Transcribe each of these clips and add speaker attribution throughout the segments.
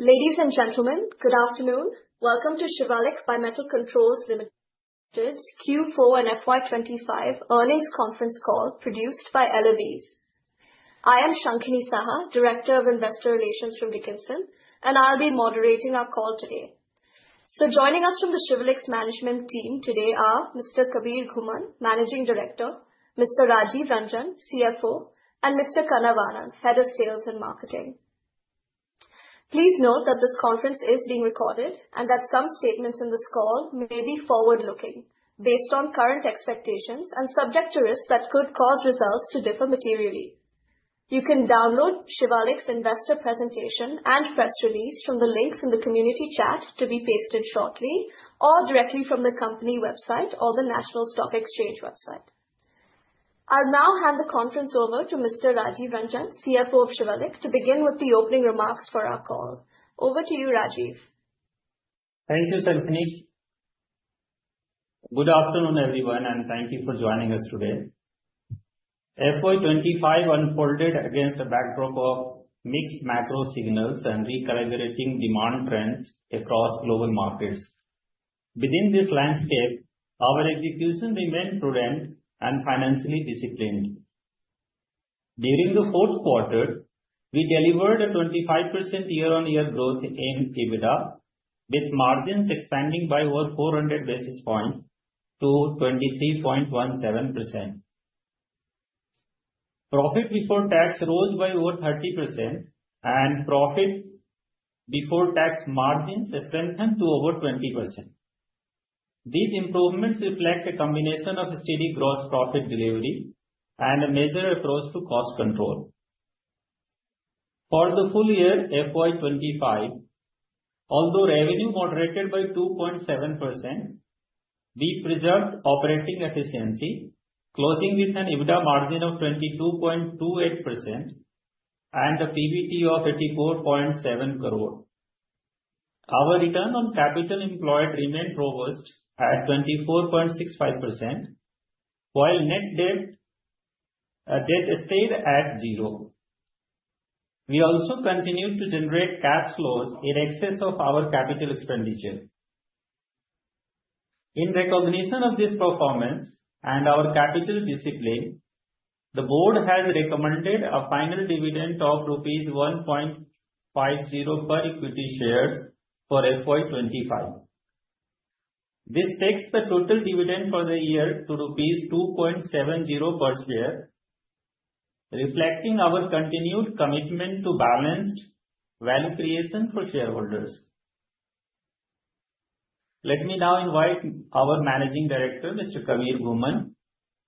Speaker 1: Ladies and gentlemen, good afternoon. Welcome to Shivalik Bimetal Controls Limited's Q4 and FY 2025 earnings conference call, produced by Elovis. I am Shankhini Saha, Director of Investor Relations from Dickenson, and I'll be moderating our call today. Joining us from the Shivalik's management team today are Mr. Kabir Ghumman, Managing Director, Mr. Rajeev Ranjan, CFO, and Mr. Kanav Anand, Head of Sales and Marketing. Please note that this conference is being recorded and that some statements in this call may be forward-looking based on current expectations and subject to risks that could cause results to differ materially. You can download Shivalik's investor presentation and press release from the links in the community chat to be pasted shortly, or directly from the company website or the National Stock Exchange website. I'll now hand the conference over to Mr. Rajeev Ranjan, CFO of Shivalik, to begin with the opening remarks for our call. Over to you, Rajeev.
Speaker 2: Thank you, Shankhini. Good afternoon, everyone, and thank you for joining us today. FY 2025 unfolded against a backdrop of mixed macro signals and recalibrating demand trends across global markets. Within this landscape, our execution remained prudent and financially disciplined. During the fourth quarter, we delivered a 25% year-on-year growth in EBITDA, with margins expanding by over 400 basis points to 23.17%. Profit before tax rose by over 30% and profit before tax margins strengthened to over 20%. These improvements reflect a combination of a steady gross profit delivery and a major approach to cost control. For the full year FY 2025, although revenue moderated by 2.7%, we preserved operating efficiency, closing with an EBITDA margin of 22.28% and a PBT of 34.7 crore. Our return on capital employed remained robust at 24.65%, while net debt, debt stayed at 0. We also continued to generate cash flows in excess of our capital expenditure. In recognition of this performance and our capital discipline, the board has recommended a final dividend of rupees 1.50 per equity shares for FY 2025. This takes the total dividend for the year to rupees 2.70 per share, reflecting our continued commitment to balanced value creation for shareholders. Let me now invite our Managing Director, Mr. Kabir Ghumman,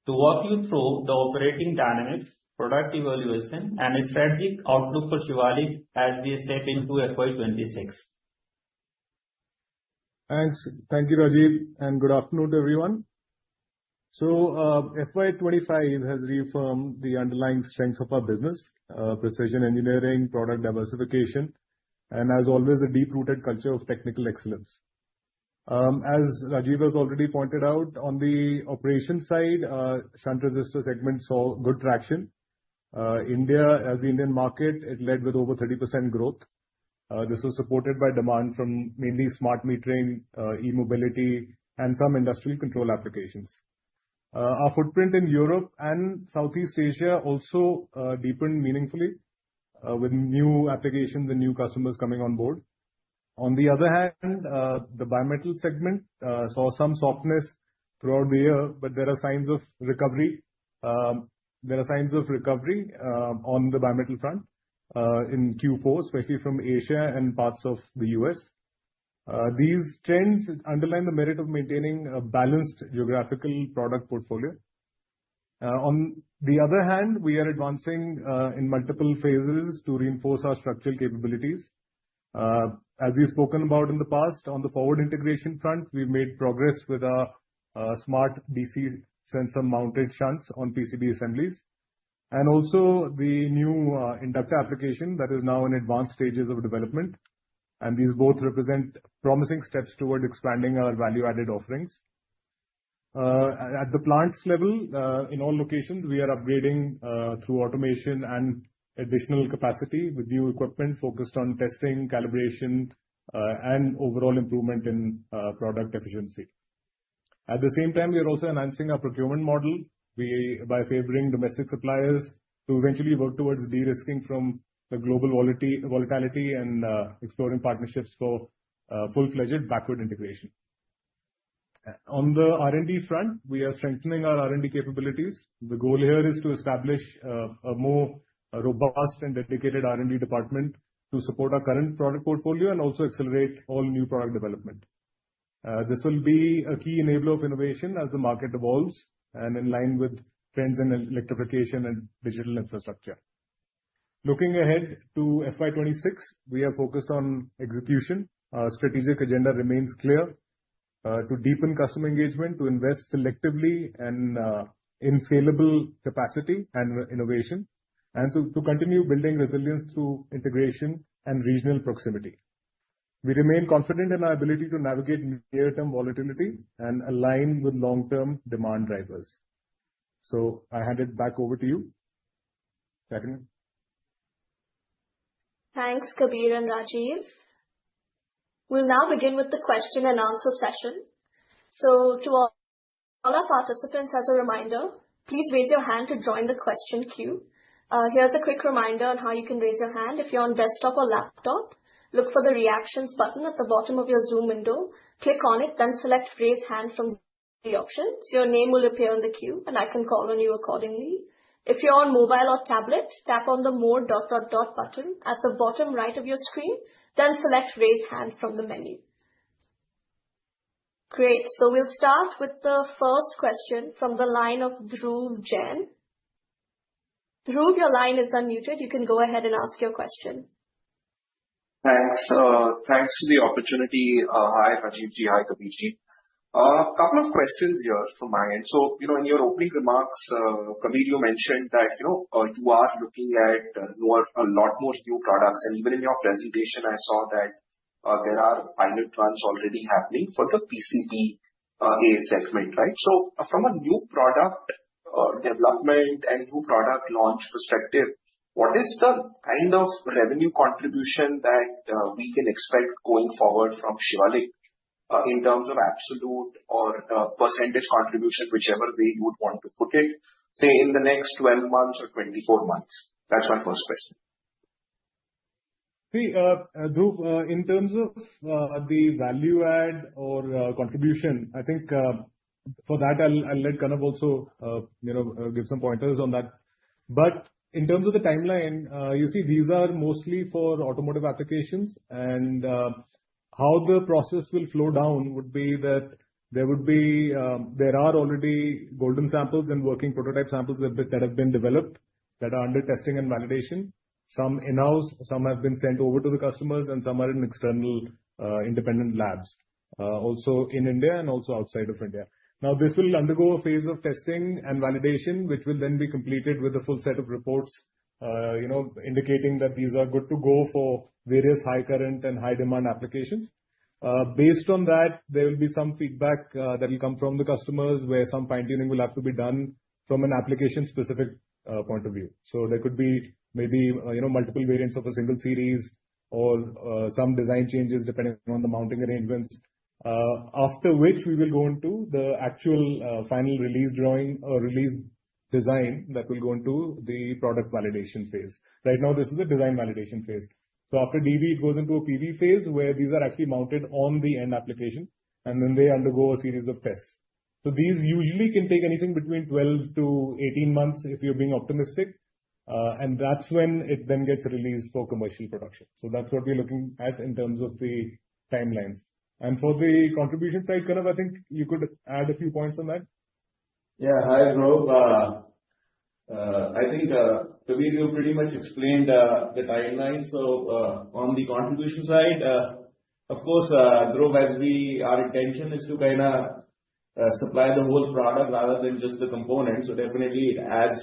Speaker 2: to walk you through the operating dynamics, product evaluation, and a strategic outlook for Shivalik as we step into FY 2026.
Speaker 3: Thanks. Thank you, Rajeev, and good afternoon, everyone. So, FY 25 has reaffirmed the underlying strengths of our business, precision engineering, product diversification, and as always, a deep-rooted culture of technical excellence. As Rajeev has already pointed out, on the operation side, shunt resistor segment saw good traction. India, as the Indian market, it led with over 30% growth. This was supported by demand from mainly smart metering, e-mobility and some industrial control applications. Our footprint in Europe and Southeast Asia also, deepened meaningfully, with new applications and new customers coming on board. On the other hand, the bimetal segment, saw some softness throughout the year, but there are signs of recovery. There are signs of recovery, on the bimetal front, in Q4, especially from Asia and parts of the U.S. These trends underline the merit of maintaining a balanced geographical product portfolio. On the other hand, we are advancing in multiple phases to reinforce our structural capabilities. As we've spoken about in the past, on the forward integration front, we've made progress with our smart DC sensor mounted shunts on PCB assemblies, and also the new inductor application that is now in advanced stages of development. And these both represent promising steps toward expanding our value-added offerings. At the plants level, in all locations, we are upgrading through automation and additional capacity with new equipment focused on testing, calibration, and overall improvement in product efficiency. At the same time, we are also enhancing our procurement model we... by favoring domestic suppliers to eventually work towards de-risking from the global volatility and, exploring partnerships for, full-fledged backward integration. On the R&D front, we are strengthening our R&D capabilities. The goal here is to establish a more robust and dedicated R&D department to support our current product portfolio and also accelerate all new product development. This will be a key enabler of innovation as the market evolves and in line with trends in electrification and digital infrastructure. Looking ahead to FY 2026, we are focused on execution. Our strategic agenda remains clear, to deepen customer engagement, to invest selectively and, in scalable capacity and innovation, and to continue building resilience through integration and regional proximity. We remain confident in our ability to navigate near-term volatility and align with long-term demand drivers.... So I hand it back over to you, Shankhini.
Speaker 1: Thanks, Kabir and Rajeev. We'll now begin with the question and answer session. So to all, all our participants, as a reminder, please raise your hand to join the question queue. Here's a quick reminder on how you can raise your hand. If you're on desktop or laptop, look for the Reactions button at the bottom of your Zoom window. Click on it, then select Raise Hand from the options. Your name will appear on the queue, and I can call on you accordingly. If you're on mobile or tablet, tap on the More... button at the bottom right of your screen, then select Raise Hand from the menu. Great, so we'll start with the first question from the line of Dhruv Jain. Dhruv, your line is unmuted. You can go ahead and ask your question.
Speaker 4: Thanks, thanks for the opportunity. Hi, Rajeev, hi, Kabir. A couple of questions here from my end. So, you know, in your opening remarks, Kabir, you mentioned that, you know, you are looking at more, a lot more new products, and even in your presentation, I saw that, there are pilot runs already happening for the PCB segment, right? So from a new product development and new product launch perspective, what is the kind of revenue contribution that we can expect going forward from Schmalz, in terms of absolute or percentage contribution, whichever way you would want to put it, say, in the next 12 months or 24 months? That's my first question.
Speaker 3: See, Dhruv, in terms of, the value add or, contribution, I think, for that, I'll, I'll let Kanav also, you know, give some pointers on that. But in terms of the timeline, you see, these are mostly for automotive applications, and, how the process will flow down would be that there would be... There are already golden samples and working prototype samples that, that have been developed, that are under testing and validation. Some in-house, some have been sent over to the customers, and some are in external, independent labs, also in India and also outside of India. Now, this will undergo a phase of testing and validation, which will then be completed with a full set of reports, you know, indicating that these are good to go for various high current and high demand applications. Based on that, there will be some feedback that will come from the customers, where some fine-tuning will have to be done from an application-specific point of view. So there could be maybe, you know, multiple variants of a single series or some design changes depending on the mounting arrangements, after which we will go into the actual final release drawing or release design that will go into the product validation phase. Right now, this is a design validation phase. So after DV, it goes into a PV phase, where these are actually mounted on the end application, and then they undergo a series of tests. So these usually can take anything between 12-18 months, if you're being optimistic, and that's when it then gets released for commercial production. So that's what we're looking at in terms of the timelines. For the contribution side, Kanav, I think you could add a few points on that.
Speaker 5: Yeah. Hi, Dhruv. I think Kabir pretty much explained the timeline. So, on the contribution side, of course, Dhruv, as we, our intention is to kind of supply the whole product rather than just the component, so definitely it adds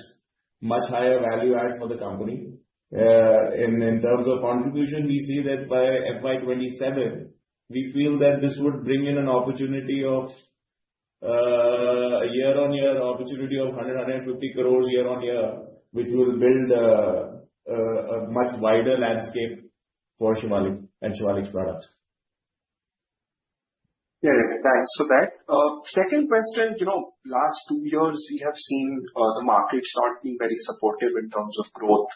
Speaker 5: much higher value add for the company. In terms of contribution, we see that by FY 2027, we feel that this would bring in an opportunity of a year-on-year opportunity of 150 crore year-on-year, which will build a much wider landscape for Shivalik and Shivalik products.
Speaker 4: Yeah, thanks for that. Second question, you know, last two years, we have seen, the markets not being very supportive in terms of growth.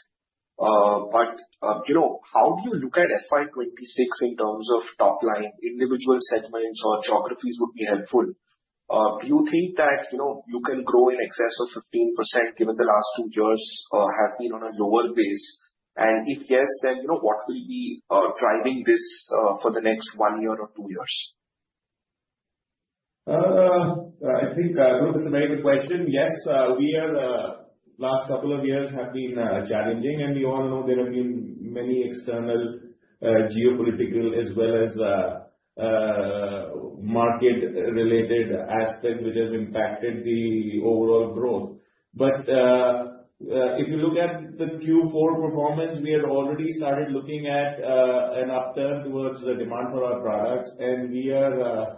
Speaker 4: But, you know, how do you look at FY 2026 in terms of top line, individual segments or geographies would be helpful. Do you think that, you know, you can grow in excess of 15%, given the last two years, have been on a lower base? And if yes, then, you know, what will be, driving this, for the next one year or two years?
Speaker 5: I think, Dhruv, it's a very good question. Yes, we are... Last couple of years have been challenging, and we all know there have been many external geopolitical as well as market-related aspects which have impacted the overall growth. But if you look at the Q4 performance, we had already started looking at an upturn towards the demand for our products, and we are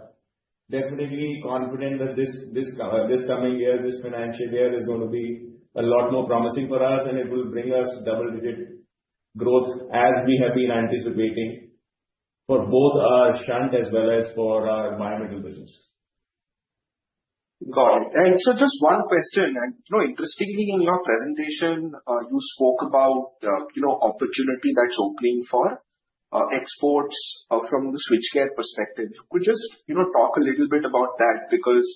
Speaker 5: definitely confident that this coming year, this financial year, is going to be a lot more promising for us, and it will bring us double-digit growth as we have been anticipating for both our shunt as well as for our environmental business.
Speaker 4: Got it. And so just one question, and, you know, interestingly, in your presentation, you spoke about, you know, opportunity that's opening for, exports, from the switchgear perspective. Could you just, you know, talk a little bit about that? Because,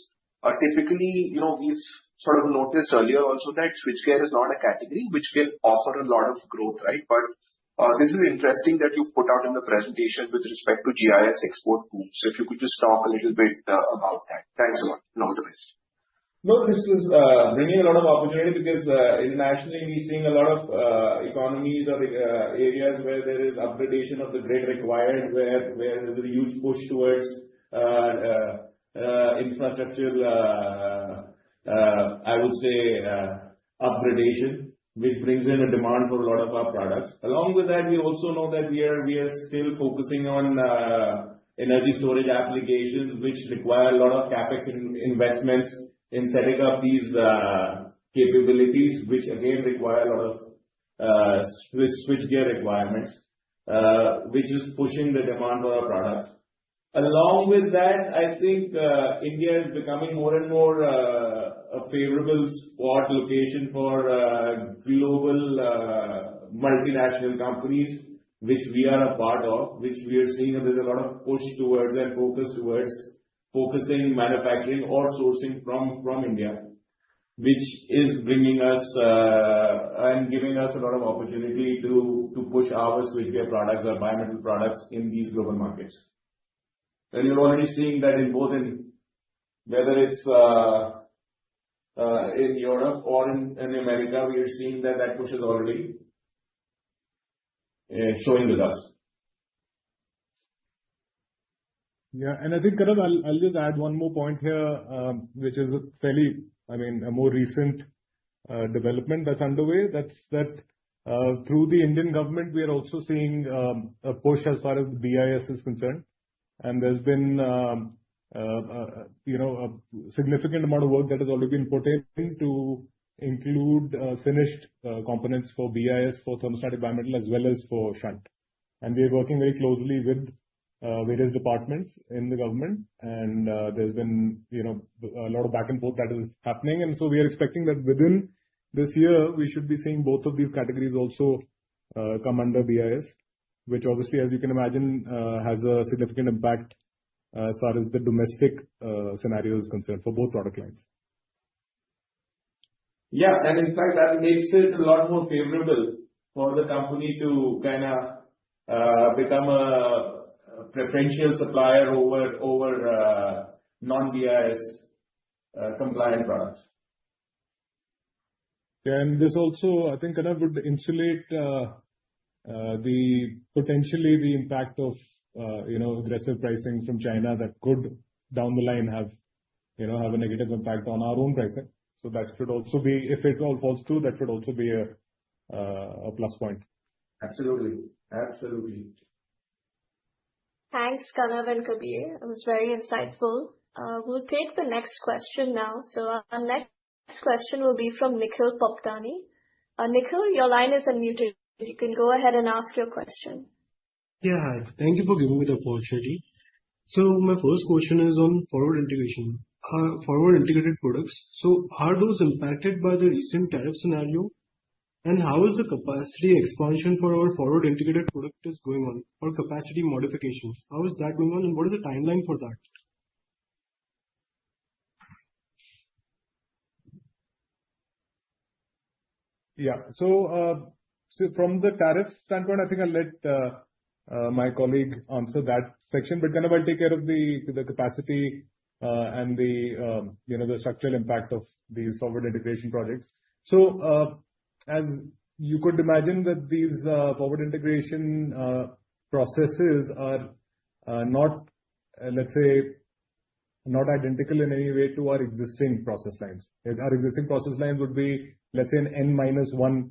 Speaker 4: typically, you know, we've sort of noticed earlier also that switchgear is not a category which can offer a lot of growth, right? But, this is interesting that you put out in the presentation with respect to GIS export tools. So if you could just talk a little bit, about that. Thanks a lot, and all the best.
Speaker 5: No, this is bringing a lot of opportunity because internationally we're seeing a lot of economies or areas where there is upgradation of the grid required, where there's a huge push towards infrastructure, I would say, upgradation, which brings in a demand for a lot of our products. Along with that, we also know that we are still focusing on energy storage applications, which require a lot of CapEx investments in setting up these capabilities, which again require a lot of switchgear requirements, which is pushing the demand for our products. Along with that, I think, India is becoming more and more, a favorable spot, location for, global, multinational companies, which we are a part of, which we are seeing that there's a lot of push towards and focus towards focusing, manufacturing, or sourcing from, from India. Which is bringing us, and giving us a lot of opportunity to, to push our switchgear products, our bimetal products in these global markets. And you're already seeing that in both in, whether it's, in Europe or in, in America, we are seeing that that push is already, showing with us.
Speaker 3: Yeah, and I think, Karan, I'll just add one more point here, which is a fairly, I mean, a more recent development that's underway. That's that, through the Indian government, we are also seeing a push as far as the BIS is concerned. And there's been, you know, a significant amount of work that has already been put in to include finished components for BIS, for thermostatic bimetal, as well as for shunt. And we're working very closely with various departments in the government, and there's been, you know, a lot of back and forth that is happening. So we are expecting that within this year, we should be seeing both of these categories also come under BIS, which obviously, as you can imagine, has a significant impact, as far as the domestic scenario is concerned for both product lines.
Speaker 5: Yeah, and in fact, that makes it a lot more favorable for the company to kind of become a preferential supplier over non-BIS compliant products.
Speaker 3: This also, I think, Karan, would insulate potentially the impact of, you know, aggressive pricing from China that could, down the line, have, you know, a negative impact on our own pricing. That should also be, if it all falls through, that should also be a plus point.
Speaker 5: Absolutely. Absolutely.
Speaker 1: Thanks, Karan and Kabir. It was very insightful. We'll take the next question now. So our next question will be from Nikhil Popani. Nikhil, your line is unmuted. You can go ahead and ask your question.
Speaker 4: Yeah. Thank you for giving me the opportunity. So my first question is on forward integration. Forward-integrated products, so are those impacted by the recent tariff scenario? And how is the capacity expansion for our forward-integrated product is going on, or capacity modifications, how is that going on, and what is the timeline for that?
Speaker 3: Yeah. So, from the tariff standpoint, I think I'll let my colleague answer that section, but then I will take care of the capacity and you know, the structural impact of these forward integration projects. So, as you could imagine, these forward integration processes are, let's say, not identical in any way to our existing process lines. Our existing process lines would be, let's say, an N minus one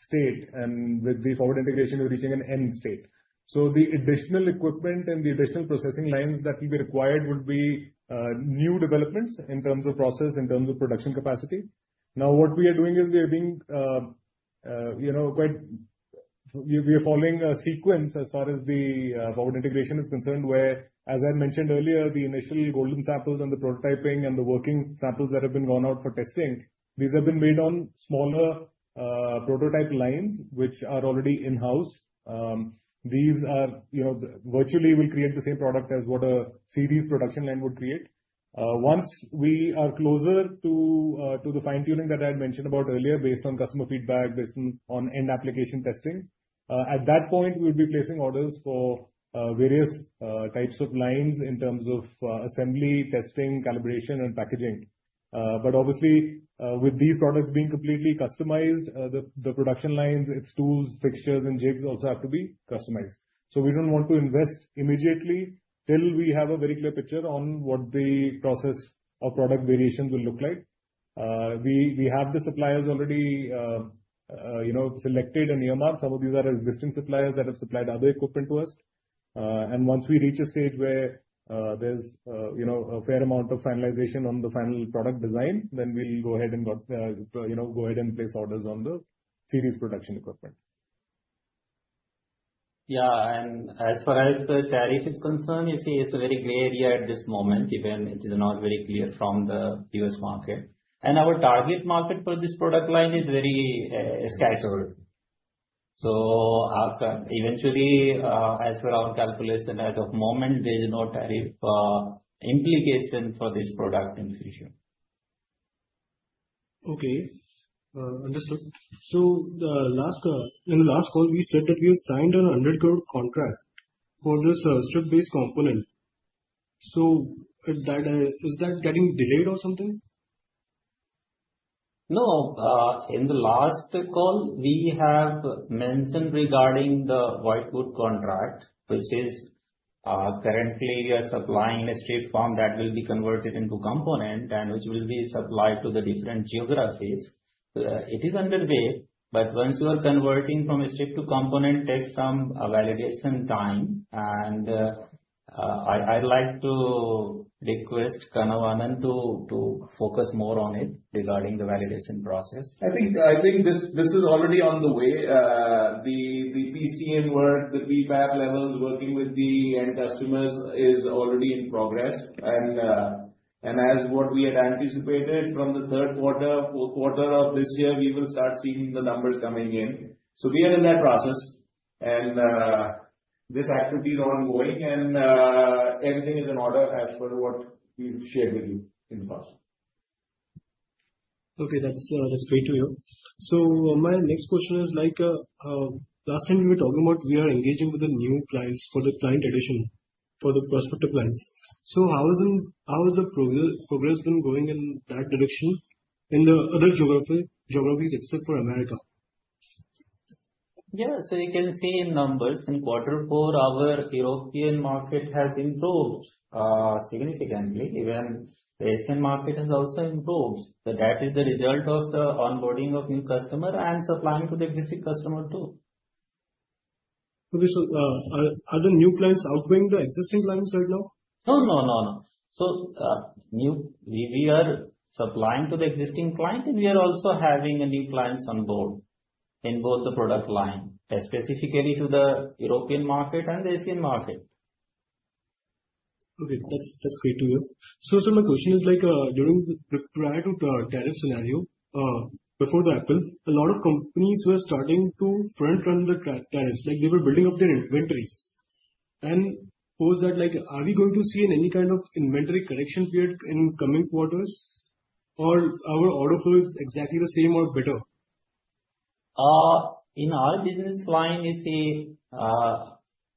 Speaker 3: state, and with the forward integration, we're reaching an N state. So the additional equipment and the additional processing lines that will be required would be new developments in terms of process, in terms of production capacity. Now, what we are doing is we are being, you know, we are following a sequence as far as the forward integration is concerned, where, as I mentioned earlier, the initial volume samples and the prototyping and the working samples that have been gone out for testing, these have been made on smaller prototype lines, which are already in-house. These are, you know, virtually will create the same product as what a series production line would create. Once we are closer to the fine-tuning that I had mentioned about earlier, based on customer feedback, based on end application testing, at that point, we'll be placing orders for various types of lines in terms of assembly, testing, calibration, and packaging. But obviously, with these products being completely customized, the production lines, its tools, fixtures, and jigs also have to be customized. So we don't want to invest immediately till we have a very clear picture on what the process or product variations will look like. We have the suppliers already, you know, selected and earmarked. Some of these are existing suppliers that have supplied other equipment to us. Once we reach a stage where, there's you know, a fair amount of finalization on the final product design, then we'll go ahead and place orders on the series production equipment.
Speaker 5: Yeah, and as far as the tariff is concerned, you see, it's a very gray area at this moment, even it is not very clear from the US market. Our target market for this product line is very scattered. So after eventually, as per our calculation, as of moment, there is no tariff implication for this product in future.
Speaker 4: Okay, understood. In the last call, we said that you signed a 100 crore contract for this strip-based component. Is that getting delayed or something?
Speaker 2: No, in the last call, we have mentioned regarding the Whitewood contract, which is-... Currently we are supplying a strip form that will be converted into component and which will be supplied to the different geographies. It is underway, but once you are converting from a strip to component, takes some validation time. I'd like to request Kanav Anand to focus more on it regarding the validation process.
Speaker 5: I think, I think this, this is already on the way. The, the PCN work, the PPAP levels working with the end customers is already in progress. And, and as what we had anticipated from the third quarter, fourth quarter of this year, we will start seeing the numbers coming in. So we are in that process, and, this activity is ongoing, and, everything is in order as per what we've shared with you in the past.
Speaker 4: Okay, that's, that's great to hear. So my next question is like last time we were talking about we are engaging with the new clients for the client addition, for the prospective clients. So how is the progress been going in that direction in the other geography, geographies except for America?
Speaker 2: Yeah. So you can see in numbers, in quarter four, our European market has improved, significantly, even the Asian market has also improved. So that is the result of the onboarding of new customer and supplying to the existing customer, too.
Speaker 4: Okay, so, are the new clients outweighing the existing clients right now?
Speaker 2: No, no, no, no. So, we are supplying to the existing client, and we are also having a new clients on board in both the product line, specifically to the European market and the Asian market.
Speaker 4: Okay, that's, that's great to hear. So, my question is like, during the prior to tariff scenario, before the Apple, a lot of companies were starting to front run the tariffs. Like, they were building up their inventories. And post that, like, are we going to see any kind of inventory correction period in coming quarters, or our order flow is exactly the same or better?
Speaker 2: In our business line, you see,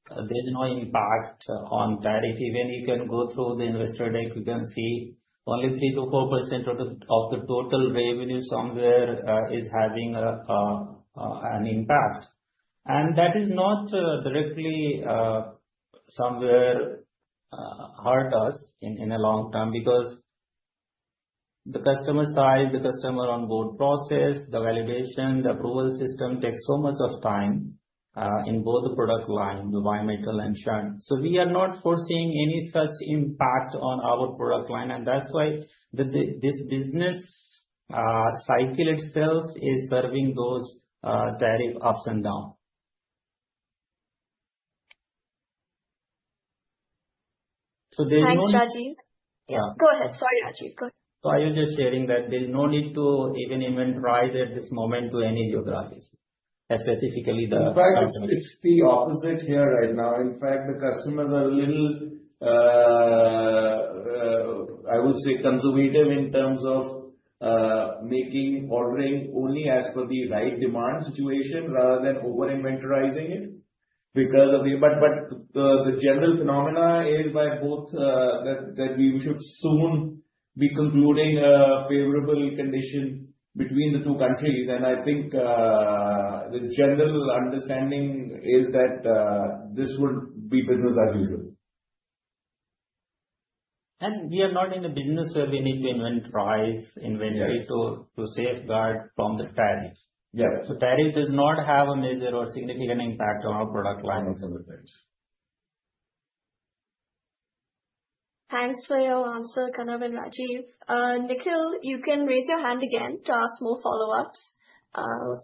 Speaker 2: there's no impact on tariff. Even you can go through the investor deck, you can see only 3%-4% of the total revenue somewhere is having an impact. And that is not directly somewhere hurt us in the long term, because the customer side, the customer onboard process, the validation, the approval system takes so much of time in both the product line, the bimetal and shunt. So we are not foreseeing any such impact on our product line, and that's why this business cycle itself is serving those tariff ups and down. So there's no-
Speaker 1: Thanks, Rajeev.
Speaker 2: Yeah.
Speaker 1: Go ahead. Sorry, Rajeev. Go ahead.
Speaker 2: So I was just sharing that there's no need to even incentivize at this moment to any geographies, specifically the-
Speaker 5: In fact, it's the opposite here right now. In fact, the customers are a little, I would say conservative in terms of making ordering only as per the right demand situation rather than over-inventorizing it. Because of the... But the general phenomena is by both, that we should soon be concluding a favorable condition between the two countries. And I think, the general understanding is that, this would be business as usual.
Speaker 2: We are not in a business where we need to invent price, inventory-
Speaker 5: Yeah
Speaker 2: - to safeguard from the tariffs.
Speaker 5: Yeah.
Speaker 2: Tariff does not have a major or significant impact on our product line.
Speaker 5: Absolutely.
Speaker 1: Thanks for your answer, Kanav and Rajeev. Nikhil, you can raise your hand again to ask more follow-ups.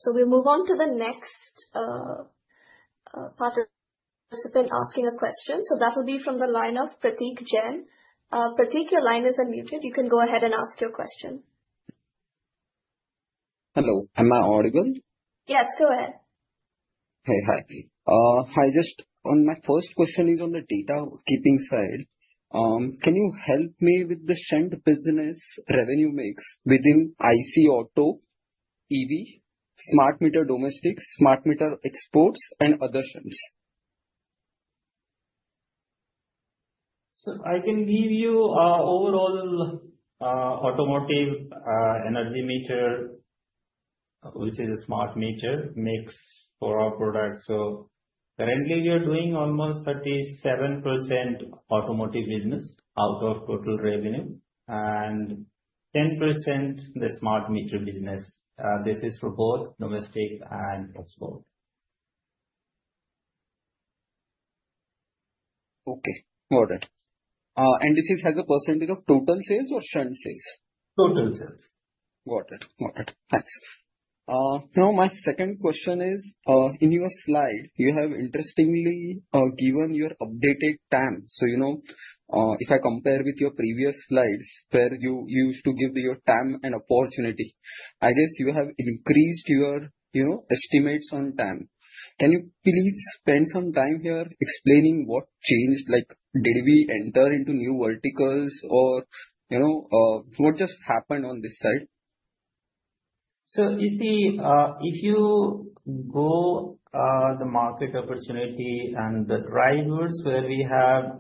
Speaker 1: So we'll move on to the next participant asking a question. So that will be from the line of Prateek Jain. Prateek, your line is unmuted. You can go ahead and ask your question.
Speaker 4: Hello, am I audible?
Speaker 1: Yes, go ahead.
Speaker 4: Okay. Hi. I just... On my first question is on the data keeping side. Can you help me with the shunt business revenue mix within IC auto, EV, smart meter domestic, smart meter exports, and other shunts?
Speaker 2: So I can give you our overall, automotive, energy meter, which is a smart meter, mix for our products. So currently we are doing almost 37% automotive business out of total revenue, and 10% the smart meter business. This is for both domestic and export.
Speaker 4: Okay, got it. This is as a percentage of total sales or shunt sales?
Speaker 2: Total sales.
Speaker 4: Got it. Got it. Thanks. Now, my second question is, in your slide, you have interestingly given your updated TAM. So, you know, if I compare with your previous slides, where you used to give your TAM an opportunity, I guess you have increased your, you know, estimates on TAM. Can you please spend some time here explaining what changed? Like, did we enter into new verticals or, you know, what just happened on this side?
Speaker 2: So you see, if you go, the market opportunity and the drivers where we have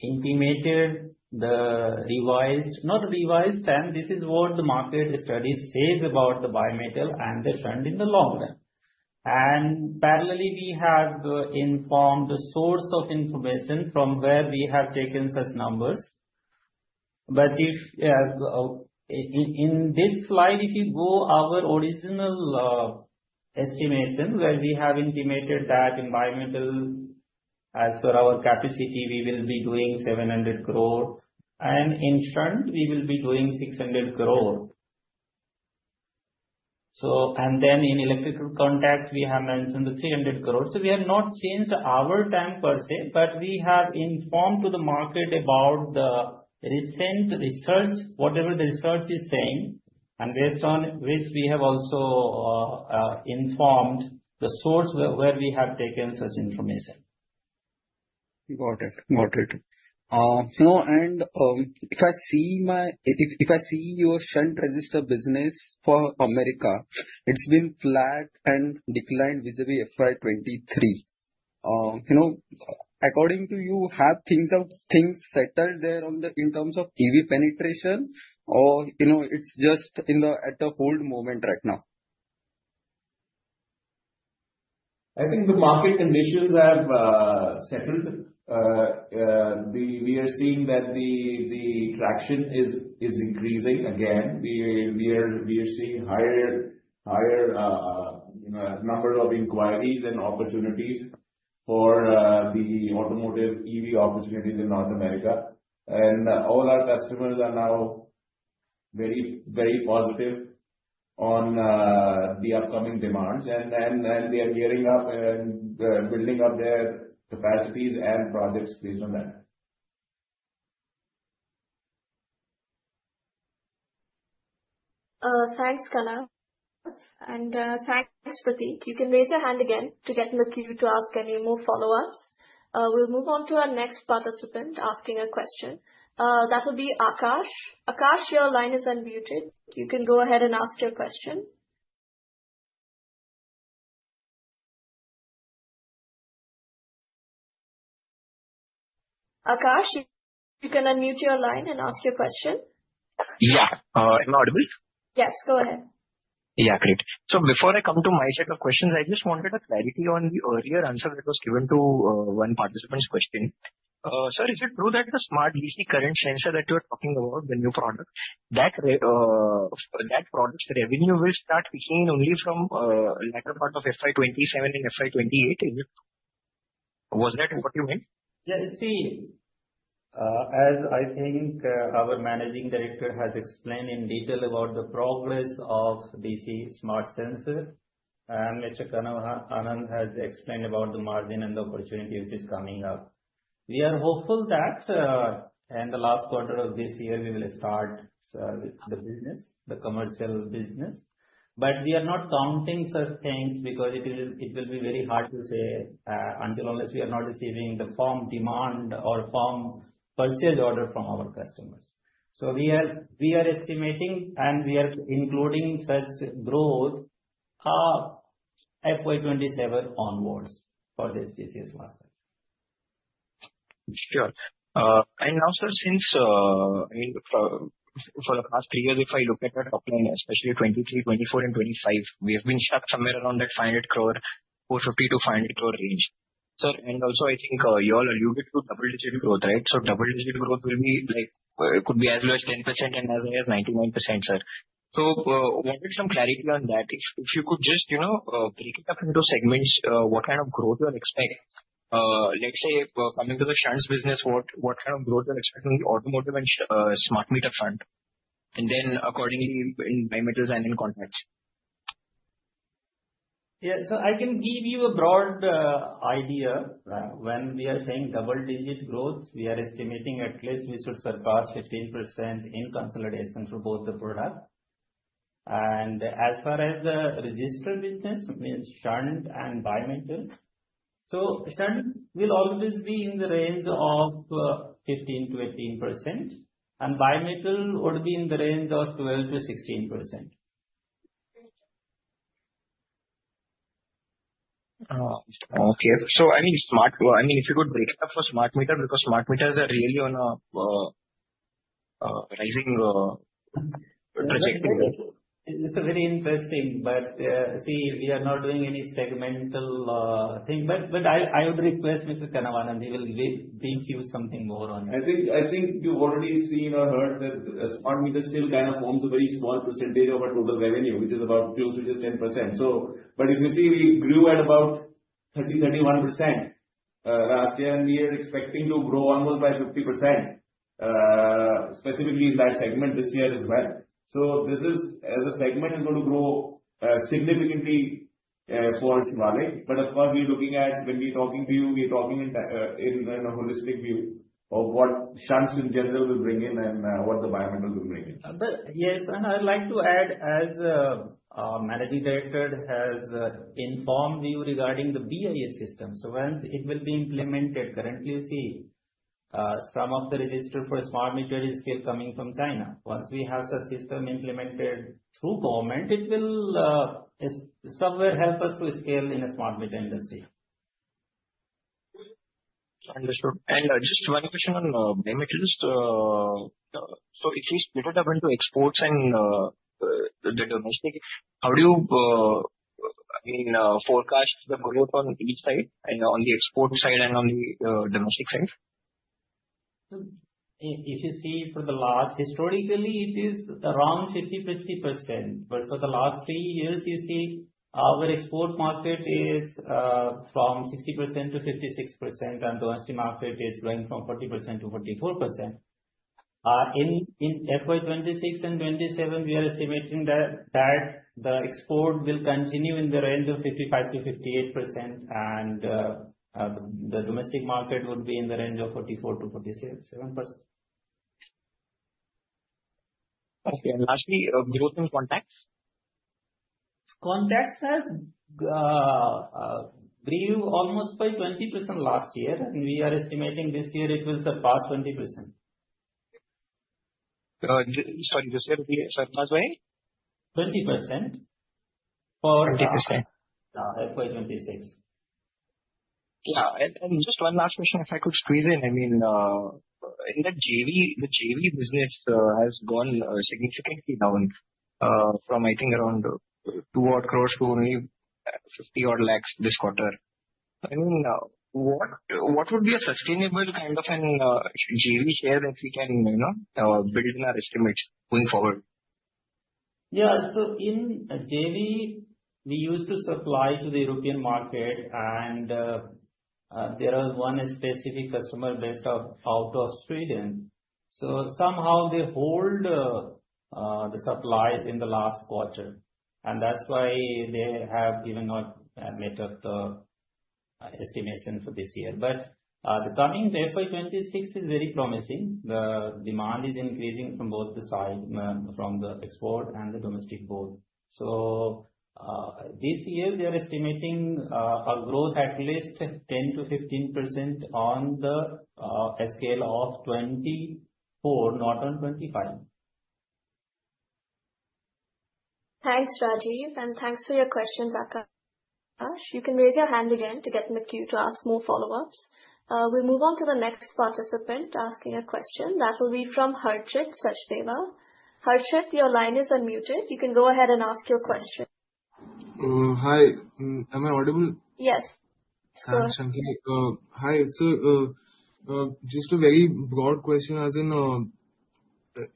Speaker 2: intimated the revised, not revised, and this is what the market study says about the bimetal and the shunt in the long run. And parallelly, we have informed the source of information from where we have taken such numbers. But if in this slide, if you go our original estimation, where we have intimated that in bimetal, as per our capacity, we will be doing 700 crore, and in shunt we will be doing 600 crore. So, and then in electrical contacts, we have mentioned the 300 crores. So we have not changed our time per se, but we have informed to the market about the recent research, whatever the research is saying, and based on which we have also informed the source where we have taken such information.
Speaker 4: Got it. Got it. So, if I see your shunt resistor business for America, it's been flat and declined vis-à-vis FY 2023. You know, according to you, have things settled there, in terms of EV penetration, or, you know, it's just at a hold moment right now?
Speaker 2: I think the market conditions have settled. We are seeing that the traction is increasing again. We are seeing higher number of inquiries and opportunities for the automotive EV opportunities in North America. And all our customers are now very positive on the upcoming demands, and they are gearing up and building up their capacities and projects based on that.
Speaker 1: Thanks, Kanav, and thanks, Prateek. You can raise your hand again to get in the queue to ask any more follow-ups. We'll move on to our next participant asking a question. That will be Akash. Akash, your line is unmuted. You can go ahead and ask your question. Akash, you can unmute your line and ask your question.
Speaker 4: Yeah. Am I audible?
Speaker 1: Yes, go ahead.
Speaker 4: Yeah, great. So before I come to my set of questions, I just wanted a clarity on the earlier answer that was given to one participant's question. Sir, is it true that the Smart DC Current Sensor that you are talking about, the new product, that product's revenue will start kicking only from latter part of FY 2027 and FY 2028? Was that what you meant?
Speaker 2: Yeah, see, as I think, our managing director has explained in detail about the progress of DC smart sensor, and Mr. Kanav Anand has explained about the margin and the opportunities which is coming up. We are hopeful that, in the last quarter of this year, we will start with the business, the commercial business. But we are not counting such things because it will, it will be very hard to say, until unless we are not receiving the firm demand or firm purchase order from our customers. So we are, we are estimating, and we are including such growth, FY 2027 onwards for this DC smart sensor.
Speaker 4: Sure. And now, sir, since, I mean, for the past three years, if I look at your top line, especially 2023, 2024 and 2025, we have been stuck somewhere around that 500 crore, 450-500 crore range. Sir, and also I think, you all alluded to double-digit growth, right? So double-digit growth will be like, could be as low as 10% and as high as 99%, sir. So, wanted some clarity on that. If you could just, you know, break it up into segments, what kind of growth you are expecting? Let's say, coming to the shunts business, what kind of growth you're expecting in the automotive and smart meter front, and then accordingly in bimetals and in contacts?
Speaker 2: Yeah. So I can give you a broad idea. When we are saying double-digit growth, we are estimating at least we should surpass 15% in consolidation for both the product. And as far as the resistor business, means shunt and bimetal, so shunt will always be in the range of 15%-18%, and bimetal would be in the range of 12%-16%.
Speaker 4: Okay. So I mean, if you could break it up for smart meter, because smart meters are really on a rising trajectory.
Speaker 2: It's a very interesting, but, see, we are not doing any segmental thing. But, but I, I would request Mr. Kanav Anand, he will give, bring you something more on that.
Speaker 5: I think you've already seen or heard that smart meter still kind of forms a very small percentage of our total revenue, which is about close to just 10%. So, but if you see, we grew at about 30-31% last year, and we are expecting to grow almost by 50% specifically in that segment this year as well. So this is. The segment is going to grow significantly for its volume. But of course, we're looking at when we're talking to you, we're talking in a holistic view of what shunts in general will bring in and what the bi-metal will bring in.
Speaker 2: But yes, and I'd like to add, as our managing director has informed you regarding the BIS system, so once it will be implemented, currently, you see, some of the resistor for smart meter is still coming from China. Once we have such system implemented through government, it will somewhere help us to scale in a smart meter industry. ...
Speaker 4: Understood. Just one question on bimetals. So it is divided up into exports and the domestic. How do you, I mean, forecast the growth on each side and on the export side and on the domestic side?
Speaker 2: So if you see for the last, historically, it is around 50/50%, but for the last three years, you see our export market is from 60% to 56%, and domestic market is going from 40% to 44%. In FY 2026 and 2027, we are estimating that the export will continue in the range of 55%-58%, and the domestic market would be in the range of 44%-47%.
Speaker 4: Okay, and lastly, growth in contacts?
Speaker 2: Contacts has grew almost by 20% last year, and we are estimating this year it will surpass 20%.
Speaker 4: Sorry, you said it will be, sorry, last way?
Speaker 2: 20% for-
Speaker 4: Twenty percent.
Speaker 2: Yeah, FY 2026.
Speaker 4: Yeah, and just one last question, if I could squeeze in. I mean, in the JV, the JV business, has gone significantly down, from I think around 2 odd crores to only 50 odd lakhs this quarter. I mean, what would be a sustainable kind of an JV share that we can, you know, build in our estimates going forward?
Speaker 2: Yeah. So in JV, we used to supply to the European market and, there was one specific customer based out of Sweden. So somehow they hold the supply in the last quarter, and that's why they have even not met up the estimation for this year. But, the coming FY 2026 is very promising. The demand is increasing from both the side, from the export and the domestic both. So, this year we are estimating a growth at least 10%-15% on the scale of 2024, not on 2025.
Speaker 1: Thanks, Rajeev, and thanks for your question, Akash. You can raise your hand again to get in the queue to ask more follow-ups. We'll move on to the next participant asking a question. That will be from Harjit Sachdeva. Harjit, your line is unmuted. You can go ahead and ask your question.
Speaker 4: Hi. Am I audible?
Speaker 1: Yes.
Speaker 4: Absolutely. Hi, so, just a very broad question, as in,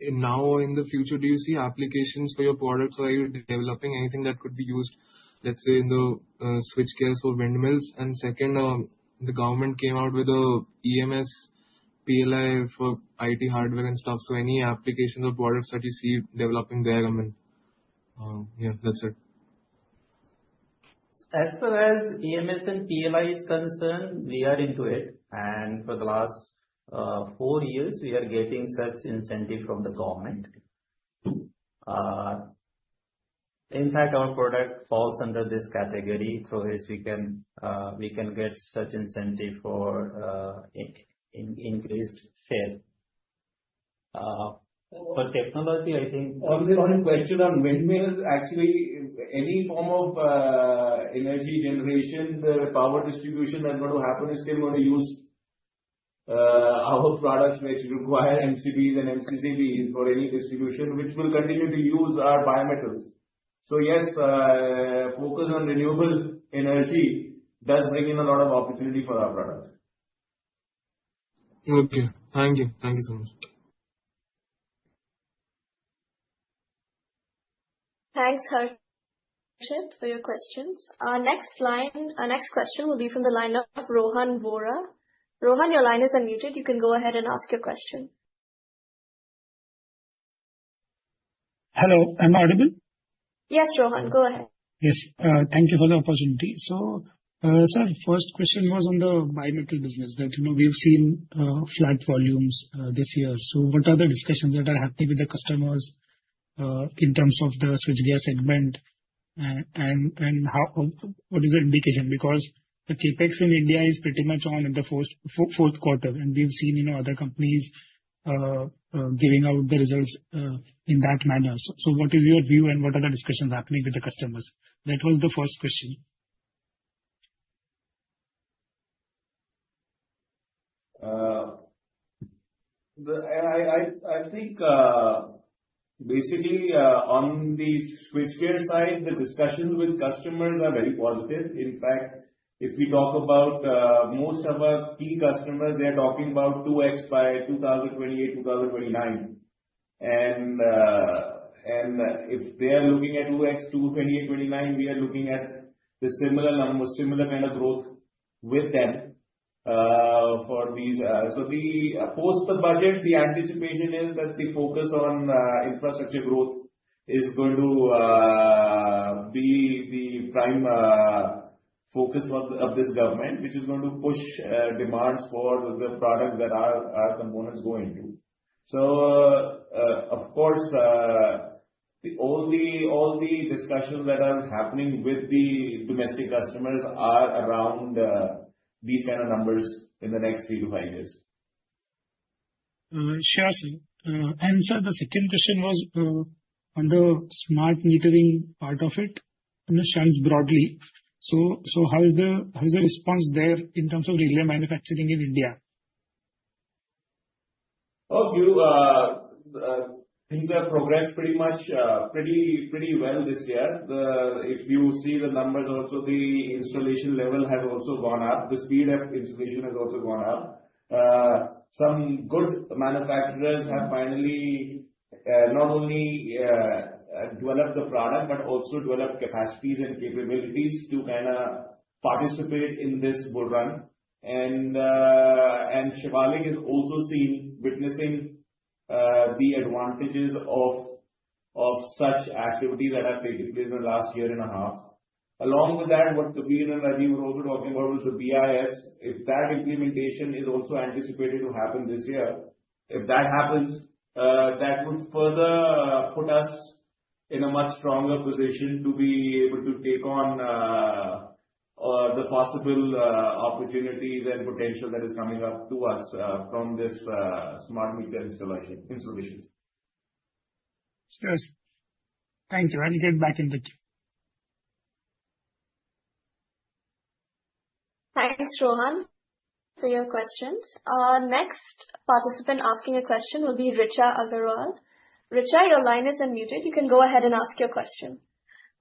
Speaker 4: in now or in the future, do you see applications for your products? Are you developing anything that could be used, let's say, in the switchgears for windmills? And second, the government came out with a EMS PLI for IT hardware and stuff, so any applications or products that you see developing there, I mean. Yeah, that's it.
Speaker 2: As far as EMS and PLI is concerned, we are into it, and for the last four years, we are getting such incentive from the government. In fact, our product falls under this category, through which we can, we can get such incentive for increased sale. For technology, I think-
Speaker 5: Only one question on windmills, actually, any form of energy generation, the power distribution and what will happen is they're going to use our products, which require MCBs and MCCBs for any distribution, which will continue to use our bimetals. So yes, focus on renewable energy does bring in a lot of opportunity for our products.
Speaker 4: Okay. Thank you. Thank you so much.
Speaker 1: Thanks, Harjit, for your questions. Our next line... Our next question will be from the line of Rohan Vora. Rohan, your line is unmuted. You can go ahead and ask your question.
Speaker 4: Hello, am I audible?
Speaker 1: Yes, Rohan, go ahead.
Speaker 4: Yes, thank you for the opportunity. So, sir, first question was on the bimetal business that, you know, we've seen flat volumes this year. So what are the discussions that are happening with the customers in terms of the switchgear segment, and how, what is the indication? Because the CapEx in India is pretty much on in the fourth quarter, and we've seen, you know, other companies giving out the results in that manner. So what is your view and what are the discussions happening with the customers? That was the first question.
Speaker 5: I think, basically, on the switchgear side, the discussions with customers are very positive. In fact, if we talk about most of our key customers, they are talking about 2x by 2028, 2029. And if they are looking at 2x 2028, 2029, we are looking at the similar numbers, similar kind of growth with them for these. So post the budget, the anticipation is that the focus on infrastructure growth is going to be the prime focus of this government, which is going to push demands for the products that our components go into. Of course, all the discussions that are happening with the domestic customers are around these kind of numbers in the next 3-5 years....
Speaker 4: Sure, sir. And sir, the second question was on the smart metering part of it, in the sense broadly. So, how is the, how is the response there in terms of relay manufacturing in India?
Speaker 5: Oh, you, things have progressed pretty much, pretty well this year. The... If you see the numbers also, the installation level has also gone up. The speed of installation has also gone up. Some good manufacturers have finally, not only, developed the product, but also developed capacities and capabilities to kind of participate in this bull run. And Shivalik is also seen witnessing the advantages of such activities that have taken place in the last year and a half. Along with that, what Kabir and Rajeev were also talking about was the BIS. If that implementation is also anticipated to happen this year, if that happens, that would further put us in a much stronger position to be able to take on the possible opportunities and potential that is coming up to us from this smart meter installation, installations.
Speaker 4: Sure, sir. Thank you. I'll get back in touch.
Speaker 1: Thanks, Rohan, for your questions. Our next participant asking a question will be Richa Agarwal. Richa, your line is unmuted. You can go ahead and ask your question.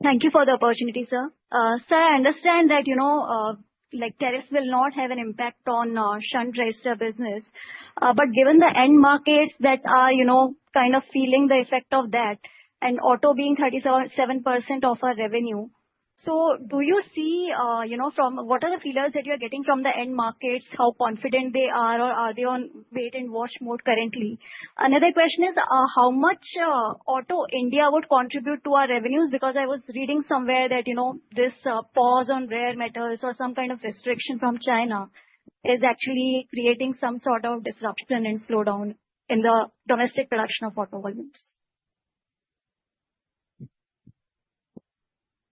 Speaker 4: Thank you for the opportunity, sir. Sir, I understand that, you know, like, tariffs will not have an impact on shunt resistor business. But given the end markets that are, you know, kind of feeling the effect of that, and auto being 37% of our revenue, so do you see, you know, from... What are the feelers that you're getting from the end markets? How confident they are, or are they on wait and watch mode currently? Another question is, how much auto India would contribute to our revenues? Because I was reading somewhere that, you know, this pause on rare metals or some kind of restriction from China is actually creating some sort of disruption and slowdown in the domestic production of auto volumes.